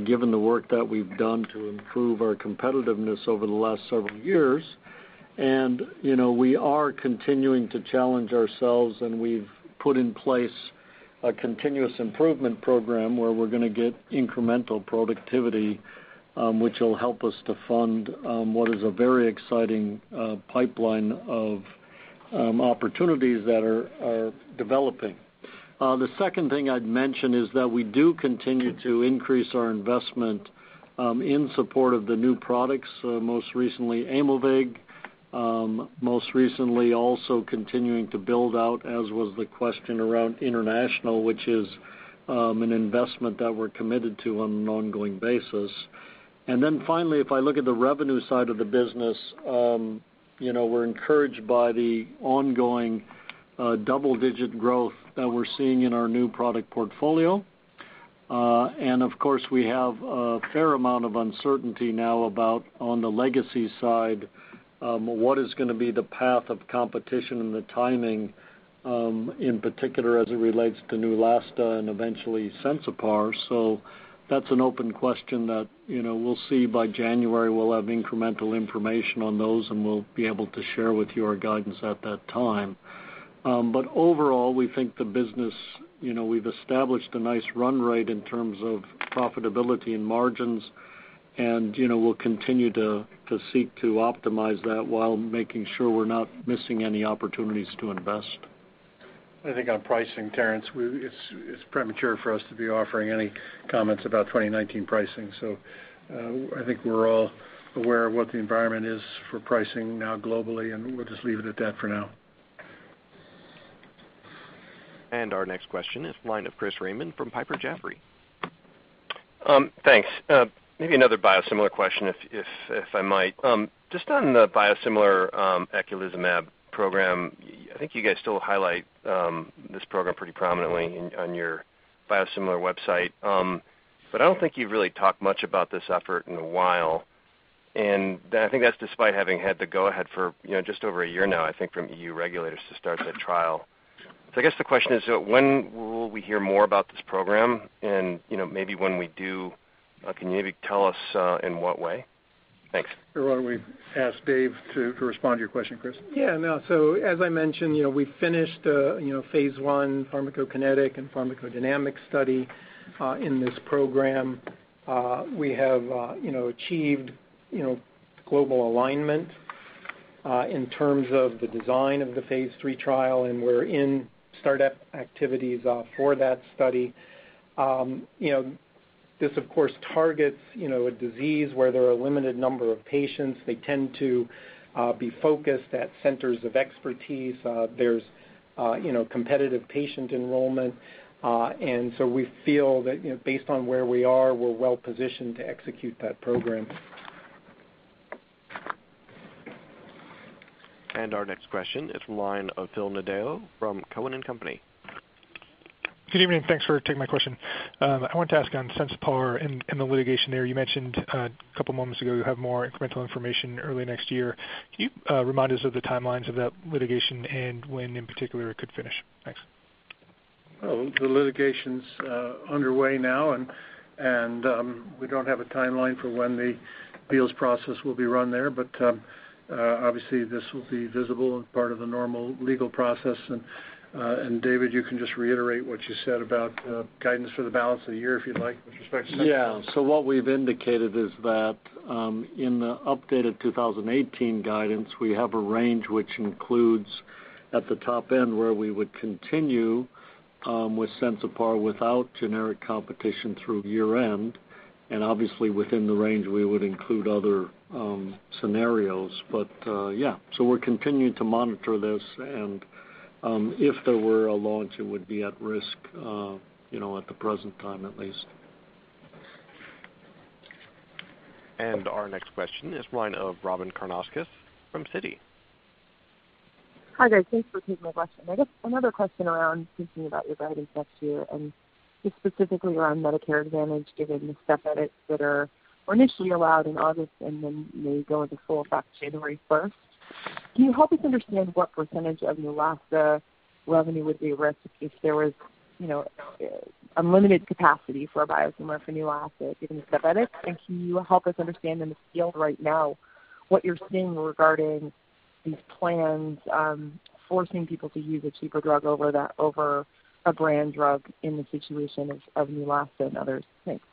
given the work that we've done to improve our competitiveness over the last several years, and we are continuing to challenge ourselves, and we've put in place a continuous improvement program where we're going to get incremental productivity, which will help us to fund what is a very exciting pipeline of opportunities that are developing. The second thing I'd mention is that we do continue to increase our investment in support of the new products, most recently Aimovig, most recently also continuing to build out, as was the question around international, which is an investment that we're committed to on an ongoing basis. Finally, if I look at the revenue side of the business, we're encouraged by the ongoing double-digit growth that we're seeing in our new product portfolio. Of course, we have a fair amount of uncertainty now about, on the legacy side, what is going to be the path of competition and the timing, in particular, as it relates to Neulasta and eventually Sensipar. That's an open question that we'll see by January. We'll have incremental information on those, and we'll be able to share with you our guidance at that time. Overall, we think the business, we've established a nice run rate in terms of profitability and margins, and we'll continue to seek to optimize that while making sure we're not missing any opportunities to invest. I think on pricing, Terence, it's premature for us to be offering any comments about 2019 pricing. I think we're all aware of what the environment is for pricing now globally, and we'll just leave it at that for now. Our next question is line of Chris Raymond from Piper Jaffray. Thanks. Maybe another biosimilar question, if I might. Just on the biosimilar eculizumab program, I think you guys still highlight this program pretty prominently on your biosimilar website. I don't think you've really talked much about this effort in a while, and I think that's despite having had the go-ahead for just over a year now, I think, from EU regulators to start that trial. I guess the question is, when will we hear more about this program? Maybe when we do, can you maybe tell us in what way? Thanks. Why don't we ask Dave to respond to your question, Chris? Yeah, no. As I mentioned, we finished phase I pharmacokinetic and pharmacodynamic study in this program. We have achieved global alignment in terms of the design of the phase III trial, and we're in start-up activities for that study. This, of course, targets a disease where there are a limited number of patients. They tend to be focused at centers of expertise. There's competitive patient enrollment. We feel that based on where we are, we're well positioned to execute that program. Our next question is from line of Phil Nadeau from Cowen and Company. Good evening, thanks for taking my question. I wanted to ask on Sensipar and the litigation there. You mentioned a couple moments ago you have more incremental information early next year. Can you remind us of the timelines of that litigation and when in particular it could finish? Thanks. Well, the litigation's underway now, we don't have a timeline for when the appeals process will be run there. Obviously this will be visible and part of the normal legal process. David, you can just reiterate what you said about guidance for the balance of the year, if you'd like, with respect to Sensipar. Yeah. What we've indicated is that in the updated 2018 guidance, we have a range which includes at the top end where we would continue with Sensipar without generic competition through year-end, obviously within the range, we would include other scenarios. Yeah, we're continuing to monitor this, if there were a launch, it would be at risk at the present time at least. Our next question is line of Robyn Karnauskas from Citi. Hi, guys. Thanks for taking my question. I guess another question around thinking about your guidance next year, just specifically around Medicare Advantage, given the step edits that are initially allowed in August and then may go into full effect January 1st. Can you help us understand what percentage of Neulasta revenue would be at risk if there was a limited capacity for a biosimilar for Neulasta given the step edits? Can you help us understand in the field right now what you're seeing regarding these plans forcing people to use a cheaper drug over a brand drug in the situation of Neulasta and others? Thanks.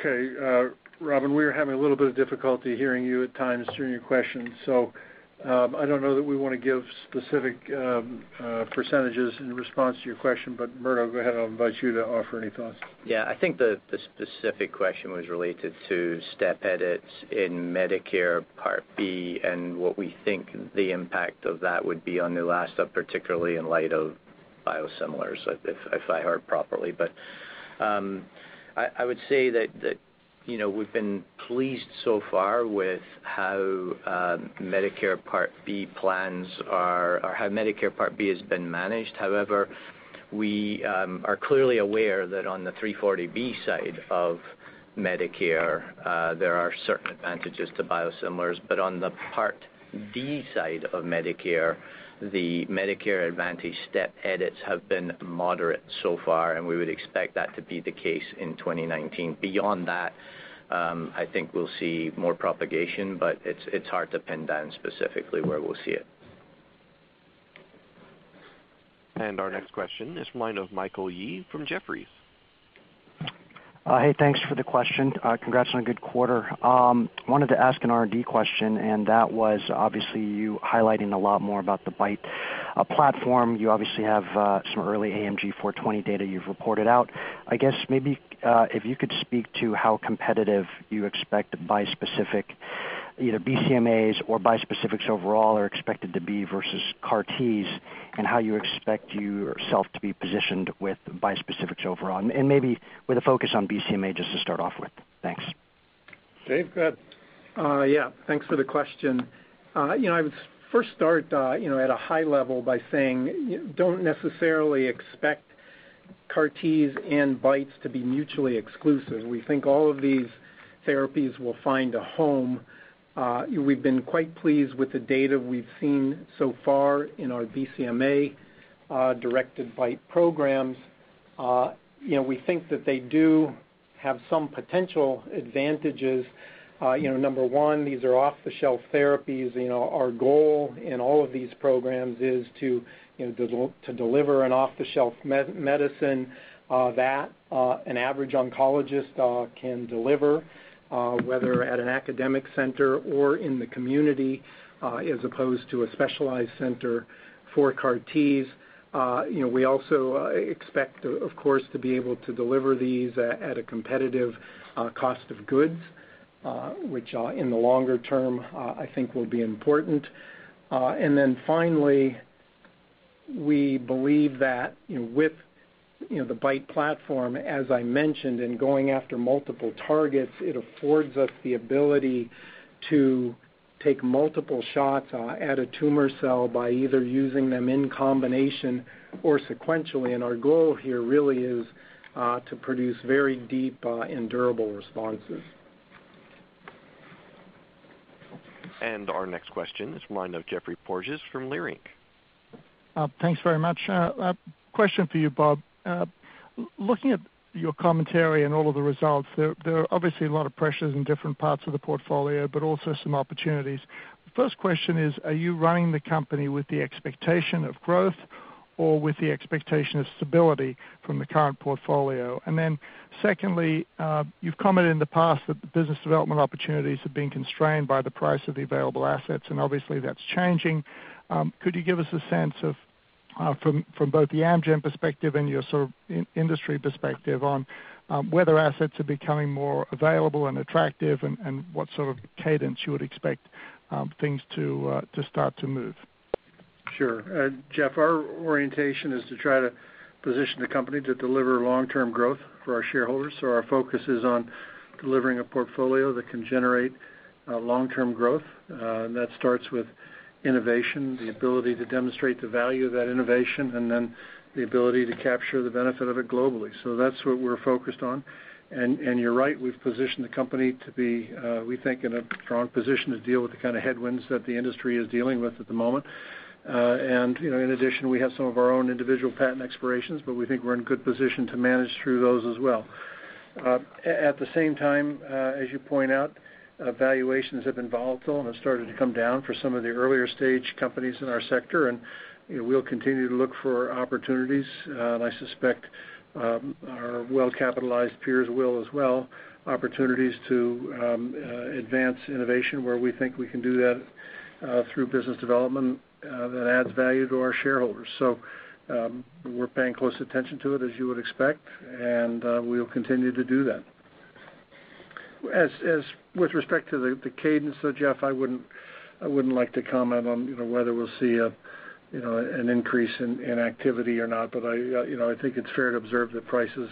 Okay. Robyn, we are having a little bit of difficulty hearing you at times during your question. I don't know that we want to give specific percentages in response to your question, Murdo, go ahead. I'll invite you to offer any thoughts. Yeah. I think the specific question was related to step edits in Medicare Part B and what we think the impact of that would be on Neulasta, particularly in light of biosimilars, if I heard properly. I would say that we've been pleased so far with how Medicare Part B has been managed. However, we are clearly aware that on the 340B side of Medicare, there are certain advantages to biosimilars. On the Part D side of Medicare, the Medicare Advantage step edits have been moderate so far, and we would expect that to be the case in 2019. Beyond that, I think we'll see more propagation, it's hard to pin down specifically where we'll see it. Our next question is from the line of Michael Yee from Jefferies. Hey, thanks for the question. Congrats on a good quarter. Wanted to ask an R&D question. That was obviously you highlighting a lot more about the BiTE platform. You obviously have some early AMG 420 data you've reported out. I guess maybe if you could speak to how competitive you expect bispecific either BCMAs or bispecifics overall are expected to be versus CAR Ts, and how you expect yourself to be positioned with bispecifics overall. Maybe with a focus on BCMA, just to start off with. Thanks. Dave, go ahead. Yeah. Thanks for the question. I would first start at a high level by saying don't necessarily expect CAR Ts and BiTEs to be mutually exclusive. We think all of these therapies will find a home. We've been quite pleased with the data we've seen so far in our BCMA-directed BiTE programs. We think that they do have some potential advantages. Number 1, these are off-the-shelf therapies. Our goal in all of these programs is to deliver an off-the-shelf medicine that an average oncologist can deliver, whether at an academic center or in the community, as opposed to a specialized center for CAR Ts. We also expect, of course, to be able to deliver these at a competitive cost of goods, which in the longer term, I think will be important. Finally, we believe that with the BiTE platform, as I mentioned, in going after multiple targets, it affords us the ability to take multiple shots at a tumor cell by either using them in combination or sequentially. Our goal here really is to produce very deep and durable responses. Our next question is from the line of Geoffrey Porges from Leerink. Thanks very much. A question for you, Bob. Looking at your commentary and all of the results, there are obviously a lot of pressures in different parts of the portfolio, but also some opportunities. The first question is, are you running the company with the expectation of growth or with the expectation of stability from the current portfolio? Secondly, you've commented in the past that the business development opportunities have been constrained by the price of the available assets, and obviously that's changing. Could you give us a sense of, from both the Amgen perspective and your sort of industry perspective on whether assets are becoming more available and attractive, and what sort of cadence you would expect things to start to move? Sure. Jeff, our orientation is to try to position the company to deliver long-term growth for our shareholders. Our focus is on delivering a portfolio that can generate long-term growth. That starts with innovation, the ability to demonstrate the value of that innovation, and then the ability to capture the benefit of it globally. That's what we're focused on. You're right, we've positioned the company to be, we think, in a strong position to deal with the kind of headwinds that the industry is dealing with at the moment. In addition, we have some of our own individual patent expirations, but we think we're in good position to manage through those as well. At the same time, as you point out, valuations have been volatile and have started to come down for some of the earlier-stage companies in our sector, and we'll continue to look for opportunities, and I suspect our well-capitalized peers will as well, opportunities to advance innovation where we think we can do that through business development that adds value to our shareholders. We're paying close attention to it, as you would expect, and we'll continue to do that. With respect to the cadence, though, Jeff, I wouldn't like to comment on whether we'll see an increase in activity or not, but I think it's fair to observe that prices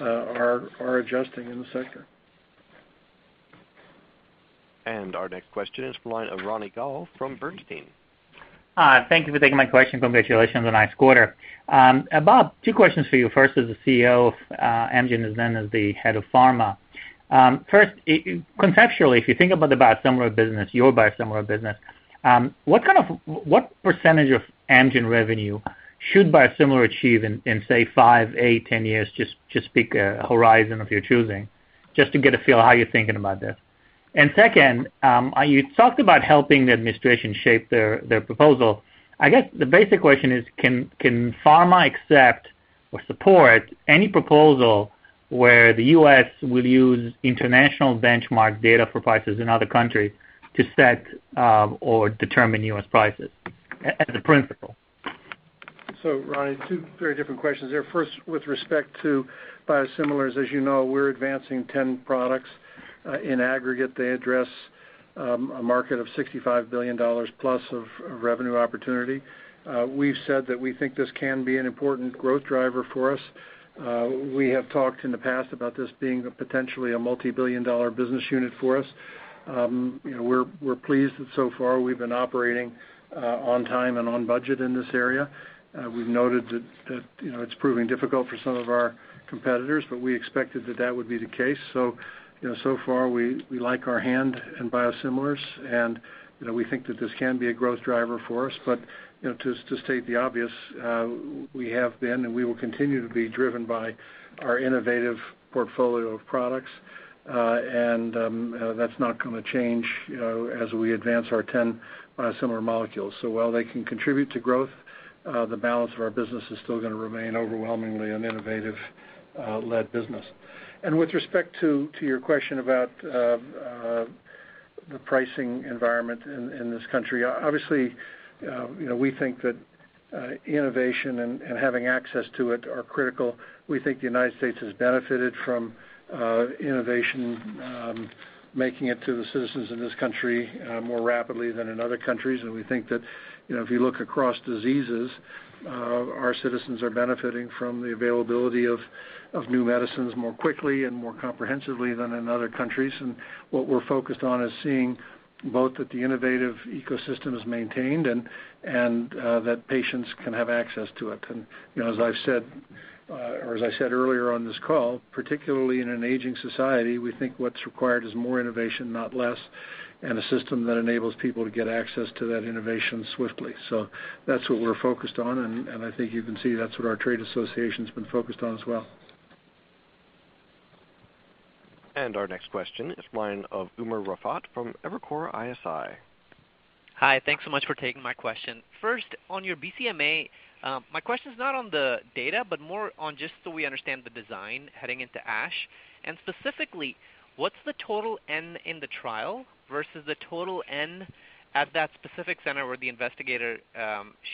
are adjusting in the sector. Our next question is from the line of Ronny Gal from Bernstein. Hi. Thank you for taking my question. Congratulations on a nice quarter. Bob, two questions for you. First as the CEO of Amgen, and then as the head of pharma. First, conceptually, if you think about the biosimilar business, your biosimilar business, what percentage of Amgen revenue should biosimilar achieve in, say, five, eight, 10 years, just pick a horizon of your choosing, just to get a feel how you're thinking about this. Second, you talked about helping the administration shape their proposal. I guess the basic question is, can pharma accept or support any proposal where the U.S. will use international benchmark data for prices in other countries to set or determine U.S. prices as a principle? Ronny, two very different questions there. First, with respect to biosimilars, as you know, we're advancing 10 products. In aggregate, they address a market of $65 billion plus of revenue opportunity. We've said that we think this can be an important growth driver for us. We have talked in the past about this being potentially a multi-billion dollar business unit for us. We're pleased that so far we've been operating on time and on budget in this area. We've noted that it's proving difficult for some of our competitors, but we expected that would be the case. So far we like our hand in biosimilars, and we think that this can be a growth driver for us. To state the obvious, we have been, and we will continue to be driven by our innovative portfolio of products, and that's not going to change as we advance our 10 biosimilar molecules. While they can contribute to growth, the balance of our business is still going to remain overwhelmingly an innovative-led business. With respect to your question about the pricing environment in this country, obviously, we think that innovation and having access to it are critical. We think the United States has benefited from innovation making it to the citizens of this country more rapidly than in other countries. We think that if you look across diseases, our citizens are benefiting from the availability of new medicines more quickly and more comprehensively than in other countries. What we're focused on is seeing both that the innovative ecosystem is maintained and that patients can have access to it. As I said earlier on this call, particularly in an aging society, we think what's required is more innovation, not less, and a system that enables people to get access to that innovation swiftly. That's what we're focused on, and I think you can see that's what our trade association's been focused on as well. Our next question is the line of Umer Raffat from Evercore ISI. Hi, thanks so much for taking my question. First, on your BCMA, my question is not on the data, but more on just so we understand the design heading into ASH. Specifically, what's the total N in the trial versus the total N at that specific center where the investigator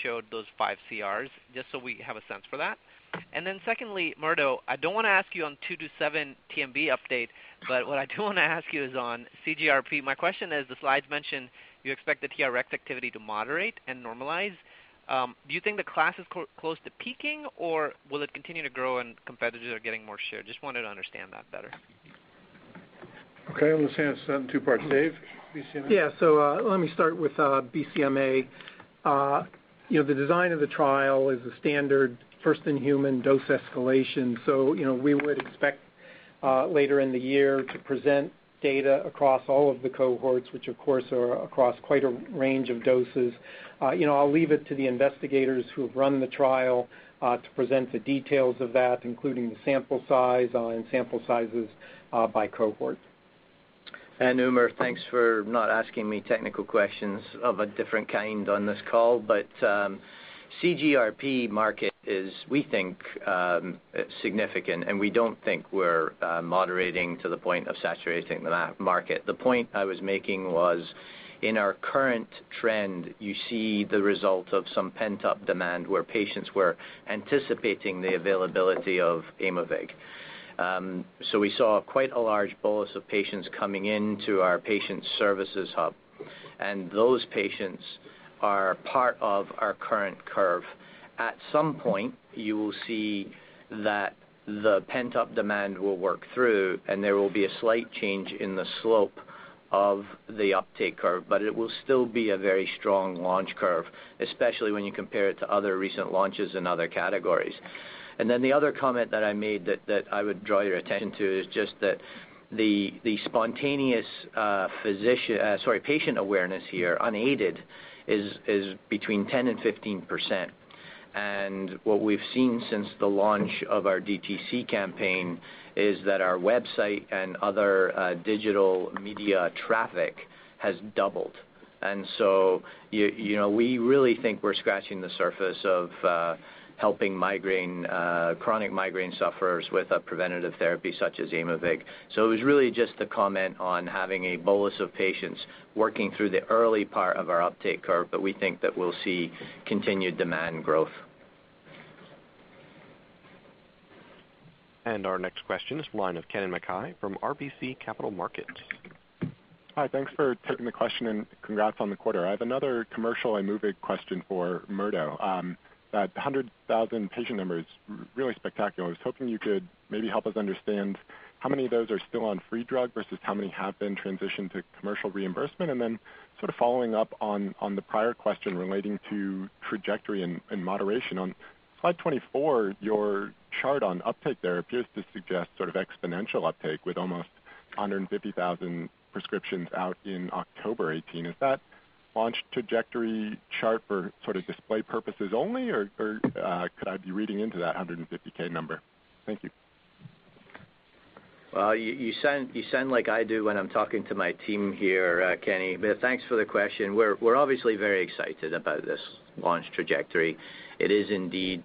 showed those five CRs, just so we have a sense for that. Secondly, Murdo, I don't want to ask you on 227 TMB update, but what I do want to ask you is on CGRP. My question is, the slides mention you expect the TRx activity to moderate and normalize. Do you think the class is close to peaking, or will it continue to grow and competitors are getting more share? Just wanted to understand that better. Okay, I'm going to say that's two parts. Dave, BCMA? Yeah. Let me start with BCMA. The design of the trial is a standard first-in-human dose escalation. We would expect later in the year to present data across all of the cohorts, which, of course, are across quite a range of doses. I'll leave it to the investigators who have run the trial to present the details of that, including the sample size and sample sizes by cohort. Umer, thanks for not asking me technical questions of a different kind on this call. CGRP market is, we think, significant, and we don't think we're moderating to the point of saturating the market. The point I was making was, in our current trend, you see the result of some pent-up demand where patients were anticipating the availability of Aimovig. We saw quite a large bolus of patients coming into our patient services hub, and those patients are part of our current curve. At some point, you will see that the pent-up demand will work through, and there will be a slight change in the slope of the uptake curve, but it will still be a very strong launch curve, especially when you compare it to other recent launches in other categories. The other comment that I made that I would draw your attention to is just that the spontaneous patient awareness here, unaided, is between 10% and 15%. What we've seen since the launch of our DTC campaign is that our website and other digital media traffic has doubled. We really think we're scratching the surface of helping chronic migraine sufferers with a preventative therapy such as Aimovig. It was really just a comment on having a bolus of patients working through the early part of our uptake curve, but we think that we'll see continued demand growth. Our next question is the line of Kennen MacKay from RBC Capital Markets. Hi. Thanks for taking the question and congrats on the quarter. I have another commercial Aimovig question for Murdo. That 100,000 patient number is really spectacular. I was hoping you could maybe help us understand how many of those are still on free drug versus how many have been transitioned to commercial reimbursement? Following up on the prior question relating to trajectory and moderation. On slide 24, your chart on uptake there appears to suggest sort of exponential uptake with almost 150,000 prescriptions out in October 2018. Is that launch trajectory chart for sort of display purposes only, or could I be reading into that 150,000 number? Thank you. Well, you sound like I do when I'm talking to my team here, Kennen, thanks for the question. We're obviously very excited about this launch trajectory. It is indeed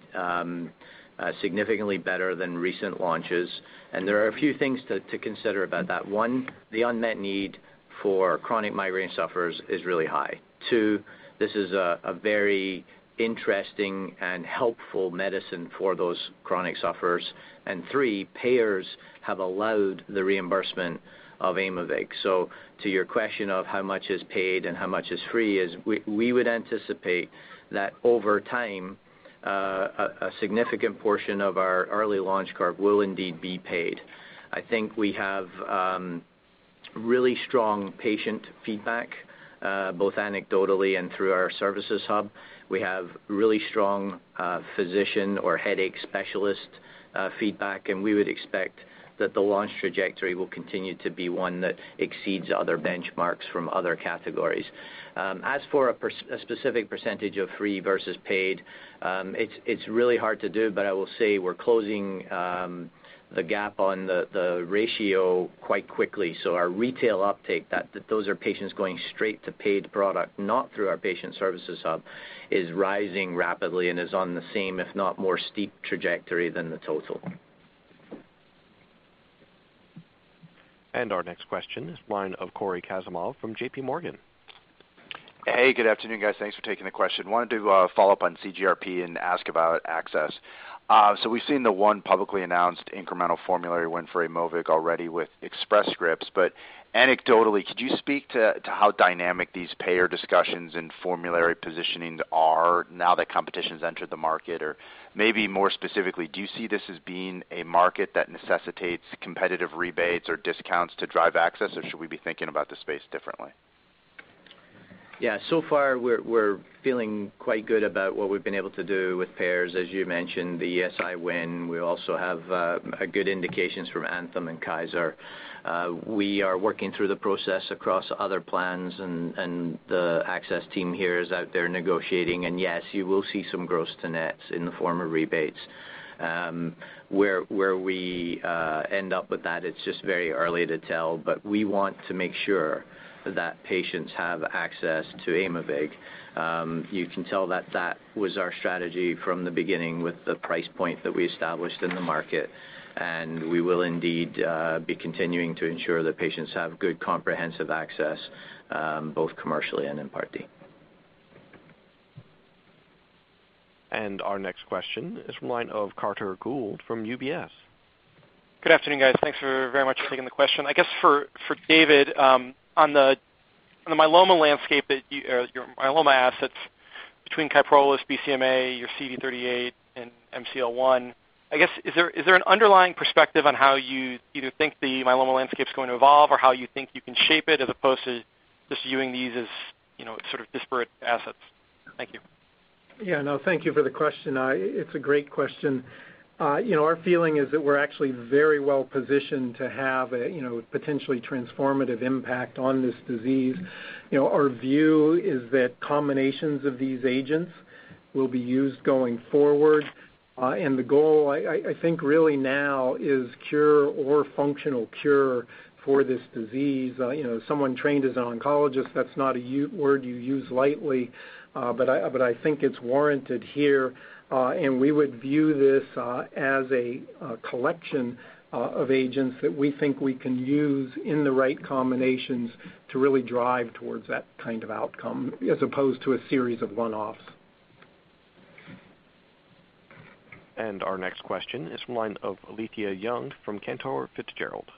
significantly better than recent launches, there are a few things to consider about that. One, the unmet need for chronic migraine sufferers is really high. Two, this is a very interesting and helpful medicine for those chronic sufferers. Three, payers have allowed the reimbursement of Aimovig. To your question of how much is paid and how much is free is, we would anticipate that over time, a significant portion of our early launch curve will indeed be paid. I think we have really strong patient feedback, both anecdotally and through our services hub. We have really strong physician or headache specialist feedback, we would expect that the launch trajectory will continue to be one that exceeds other benchmarks from other categories. As for a specific percentage of free versus paid, it's really hard to do, I will say we're closing the gap on the ratio quite quickly. Our retail uptake, those are patients going straight to paid product, not through our patient services hub, is rising rapidly and is on the same, if not more steep trajectory than the total. Our next question is line of Cory Kasimov from JPMorgan. Good afternoon, guys. Thanks for taking the question. Wanted to follow up on CGRP and ask about access. We've seen the one publicly announced incremental formulary win for Aimovig already with Express Scripts. Anecdotally, could you speak to how dynamic these payer discussions and formulary positioning are now that competition's entered the market? Maybe more specifically, do you see this as being a market that necessitates competitive rebates or discounts to drive access? Should we be thinking about the space differently? Yeah. So far, we're feeling quite good about what we've been able to do with payers. As you mentioned, the ESI win. We also have good indications from Anthem and Kaiser. We are working through the process across other plans. The access team here is out there negotiating. Yes, you will see some gross to nets in the form of rebates. Where we end up with that, it's just very early to tell, but we want to make sure that patients have access to Aimovig. You can tell that was our strategy from the beginning with the price point that we established in the market. We will indeed be continuing to ensure that patients have good, comprehensive access, both commercially and in Part D. Our next question is from line of Carter Gould from UBS. Good afternoon, guys. Thanks very much for taking the question. I guess for David, on the myeloma landscape or your myeloma assets between KYPROLIS, BCMA, your CD38, and MCL-1, I guess, is there an underlying perspective on how you either think the myeloma landscape's going to evolve or how you think you can shape it as opposed to just viewing these as sort of disparate assets? Thank you. Yeah, no, thank you for the question. It's a great question. Our feeling is that we're actually very well-positioned to have a potentially transformative impact on this disease. Our view is that combinations of these agents will be used going forward. The goal, I think really now, is cure or functional cure for this disease. As someone trained as an oncologist, that's not a word you use lightly. I think it's warranted here. We would view this as a collection of agents that we think we can use in the right combinations to really drive towards that kind of outcome as opposed to a series of one-offs. Our next question is from line of Alethia Young from Cantor Fitzgerald.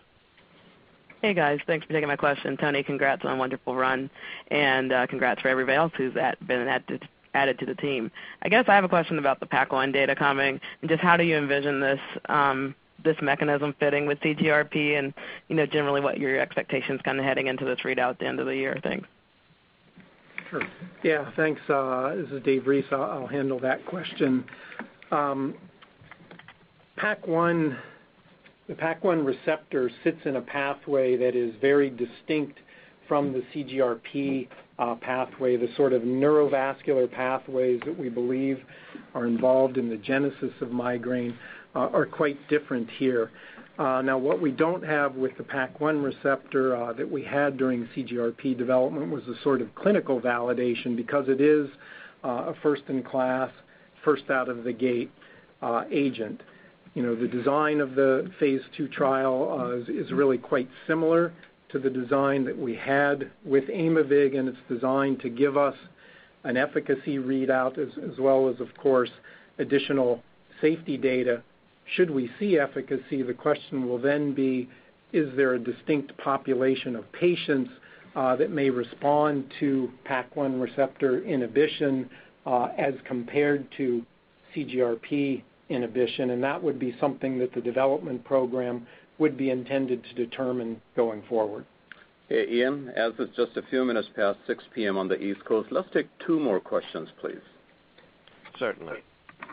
Hey, guys. Thanks for taking my question. Tony, congrats on a wonderful run and congrats for everybody else who's been added to the team. I guess I have a question about the PAC1 data coming, just how do you envision this mechanism fitting with CGRP and generally what your expectations heading into this readout at the end of the year are? Thanks. Sure. Yeah, thanks. This is Dave Reese. I'll handle that question. The PAC1 receptor sits in a pathway that is very distinct from the CGRP pathway. The sort of neurovascular pathways that we believe are involved in the genesis of migraine are quite different here. Now, what we don't have with the PAC1 receptor that we had during CGRP development was the sort of clinical validation because it is a first-in-class, first-out-of-the-gate agent. The design of the phase II trial is really quite similar to the design that we had with Aimovig, it's designed to give us an efficacy readout as well as, of course, additional safety data. Should we see efficacy, the question will then be, is there a distinct population of patients that may respond to PAC1 receptor inhibition as compared to CGRP inhibition? That would be something that the development program would be intended to determine going forward. Hey, Ian, as it's just a few minutes past 6:00 P.M. on the East Coast, let's take two more questions, please. Certainly.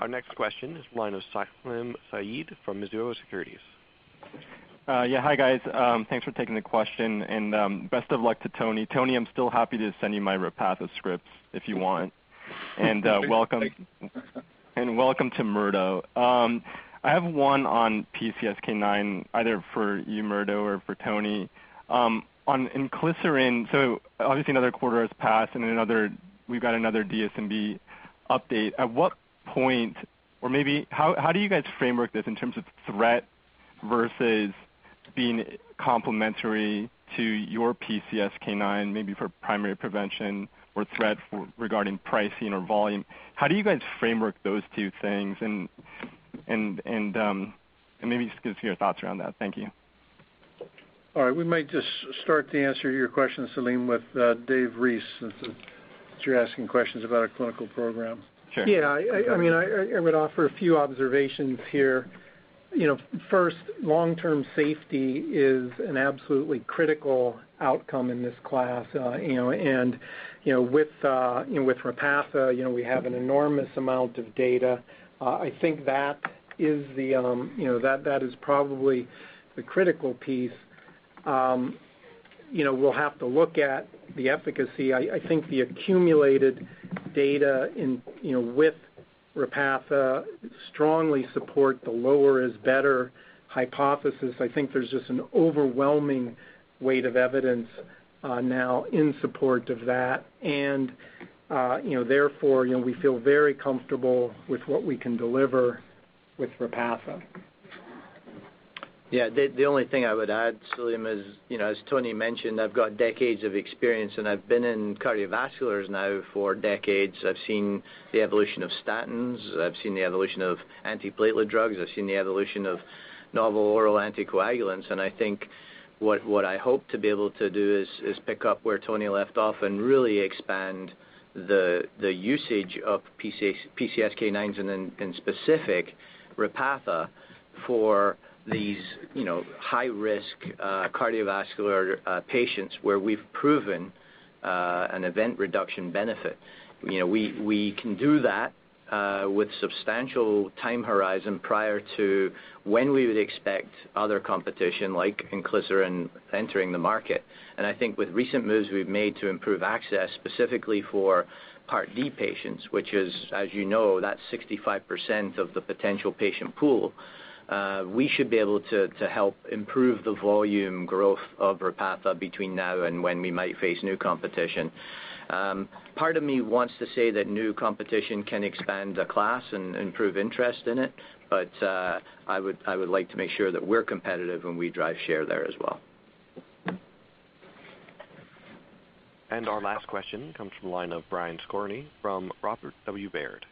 Our next question is line of Salim Syed from Mizuho Securities. Yeah. Hi, guys. Thanks for taking the question, and best of luck to Tony. Tony, I'm still happy to send you my Repatha scripts if you want. Thank you. Welcome to Murdo. I have one on PCSK9 either for you, Murdo, or for Tony. On inclisiran, obviously another quarter has passed and we've got another DSMB update. At what point, or maybe how do you guys framework this in terms of threat versus being complementary to your PCSK9, maybe for primary prevention or threat regarding pricing or volume? How do you guys framework those two things? Maybe just give us your thoughts around that. Thank you. All right. We might just start the answer to your question, Salim, with David Reese since you're asking questions about our clinical program. Sure. Yeah. I would offer a few observations here. First, long-term safety is an absolutely critical outcome in this class. With Repatha, we have an enormous amount of data. I think that is probably the critical piece. We'll have to look at the efficacy. I think the accumulated data with Repatha strongly support the lower is better hypothesis. I think there's just an overwhelming weight of evidence now in support of that. Therefore, we feel very comfortable with what we can deliver With Repatha. Yeah. The only thing I would add, Salim, is, as Tony mentioned, I've got decades of experience, I've been in cardiovascular now for decades. I've seen the evolution of statins, I've seen the evolution of antiplatelet drugs, I've seen the evolution of novel oral anticoagulants. I think what I hope to be able to do is pick up where Tony left off and really expand the usage of PCSK9s and specific Repatha for these high-risk cardiovascular patients, where we've proven an event reduction benefit. We can do that with substantial time horizon prior to when we would expect other competition, like inclisiran entering the market. I think with recent moves we've made to improve access, specifically for Part D patients, which is, as you know, that 65% of the potential patient pool, we should be able to help improve the volume growth of Repatha between now and when we might face new competition. Part of me wants to say that new competition can expand the class and improve interest in it. I would like to make sure that we're competitive and we drive share there as well. Our last question comes from the line of Brian Skorney from Robert W. Baird.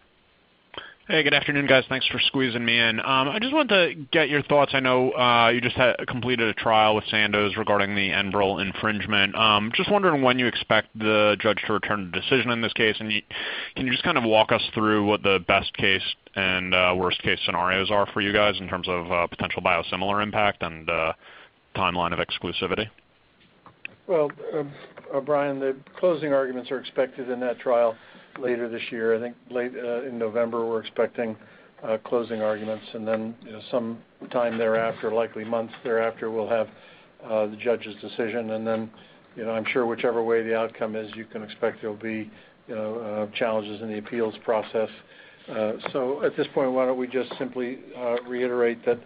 Hey, good afternoon, guys. Thanks for squeezing me in. I just wanted to get your thoughts. I know you just completed a trial with Sandoz regarding the Enbrel infringement. Just wondering when you expect the judge to return the decision in this case, and can you just kind of walk us through what the best case and worst case scenarios are for you guys in terms of potential biosimilar impact and timeline of exclusivity? Well, Brian, the closing arguments are expected in that trial later this year. I think late in November, we're expecting closing arguments, and then sometime thereafter, likely months thereafter, we'll have the judge's decision. Then, I'm sure whichever way the outcome is, you can expect there'll be challenges in the appeals process. At this point, why don't we just simply reiterate that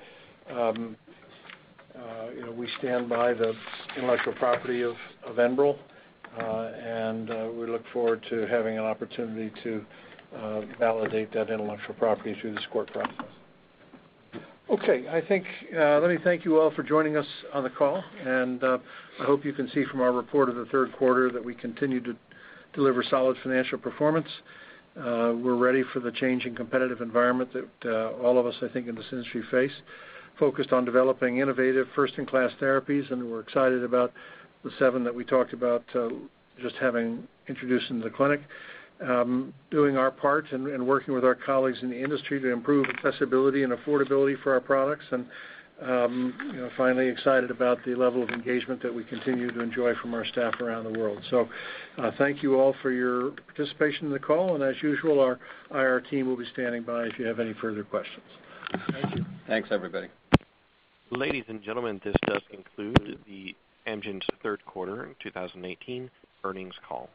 we stand by the intellectual property of Enbrel, and we look forward to having an opportunity to validate that intellectual property through this court process. Okay. Let me thank you all for joining us on the call, and I hope you can see from our report of the third quarter that we continue to deliver solid financial performance. We're ready for the changing competitive environment that all of us, I think, in this industry face, focused on developing innovative first-in-class therapies, and we're excited about the seven that we talked about just having introduced into the clinic. Doing our part and working with our colleagues in the industry to improve accessibility and affordability for our products. Finally, excited about the level of engagement that we continue to enjoy from our staff around the world. Thank you all for your participation in the call, and as usual, our IR team will be standing by if you have any further questions. Thank you. Thanks, everybody. Ladies and gentlemen, this does conclude the Amgen third quarter 2018 earnings call.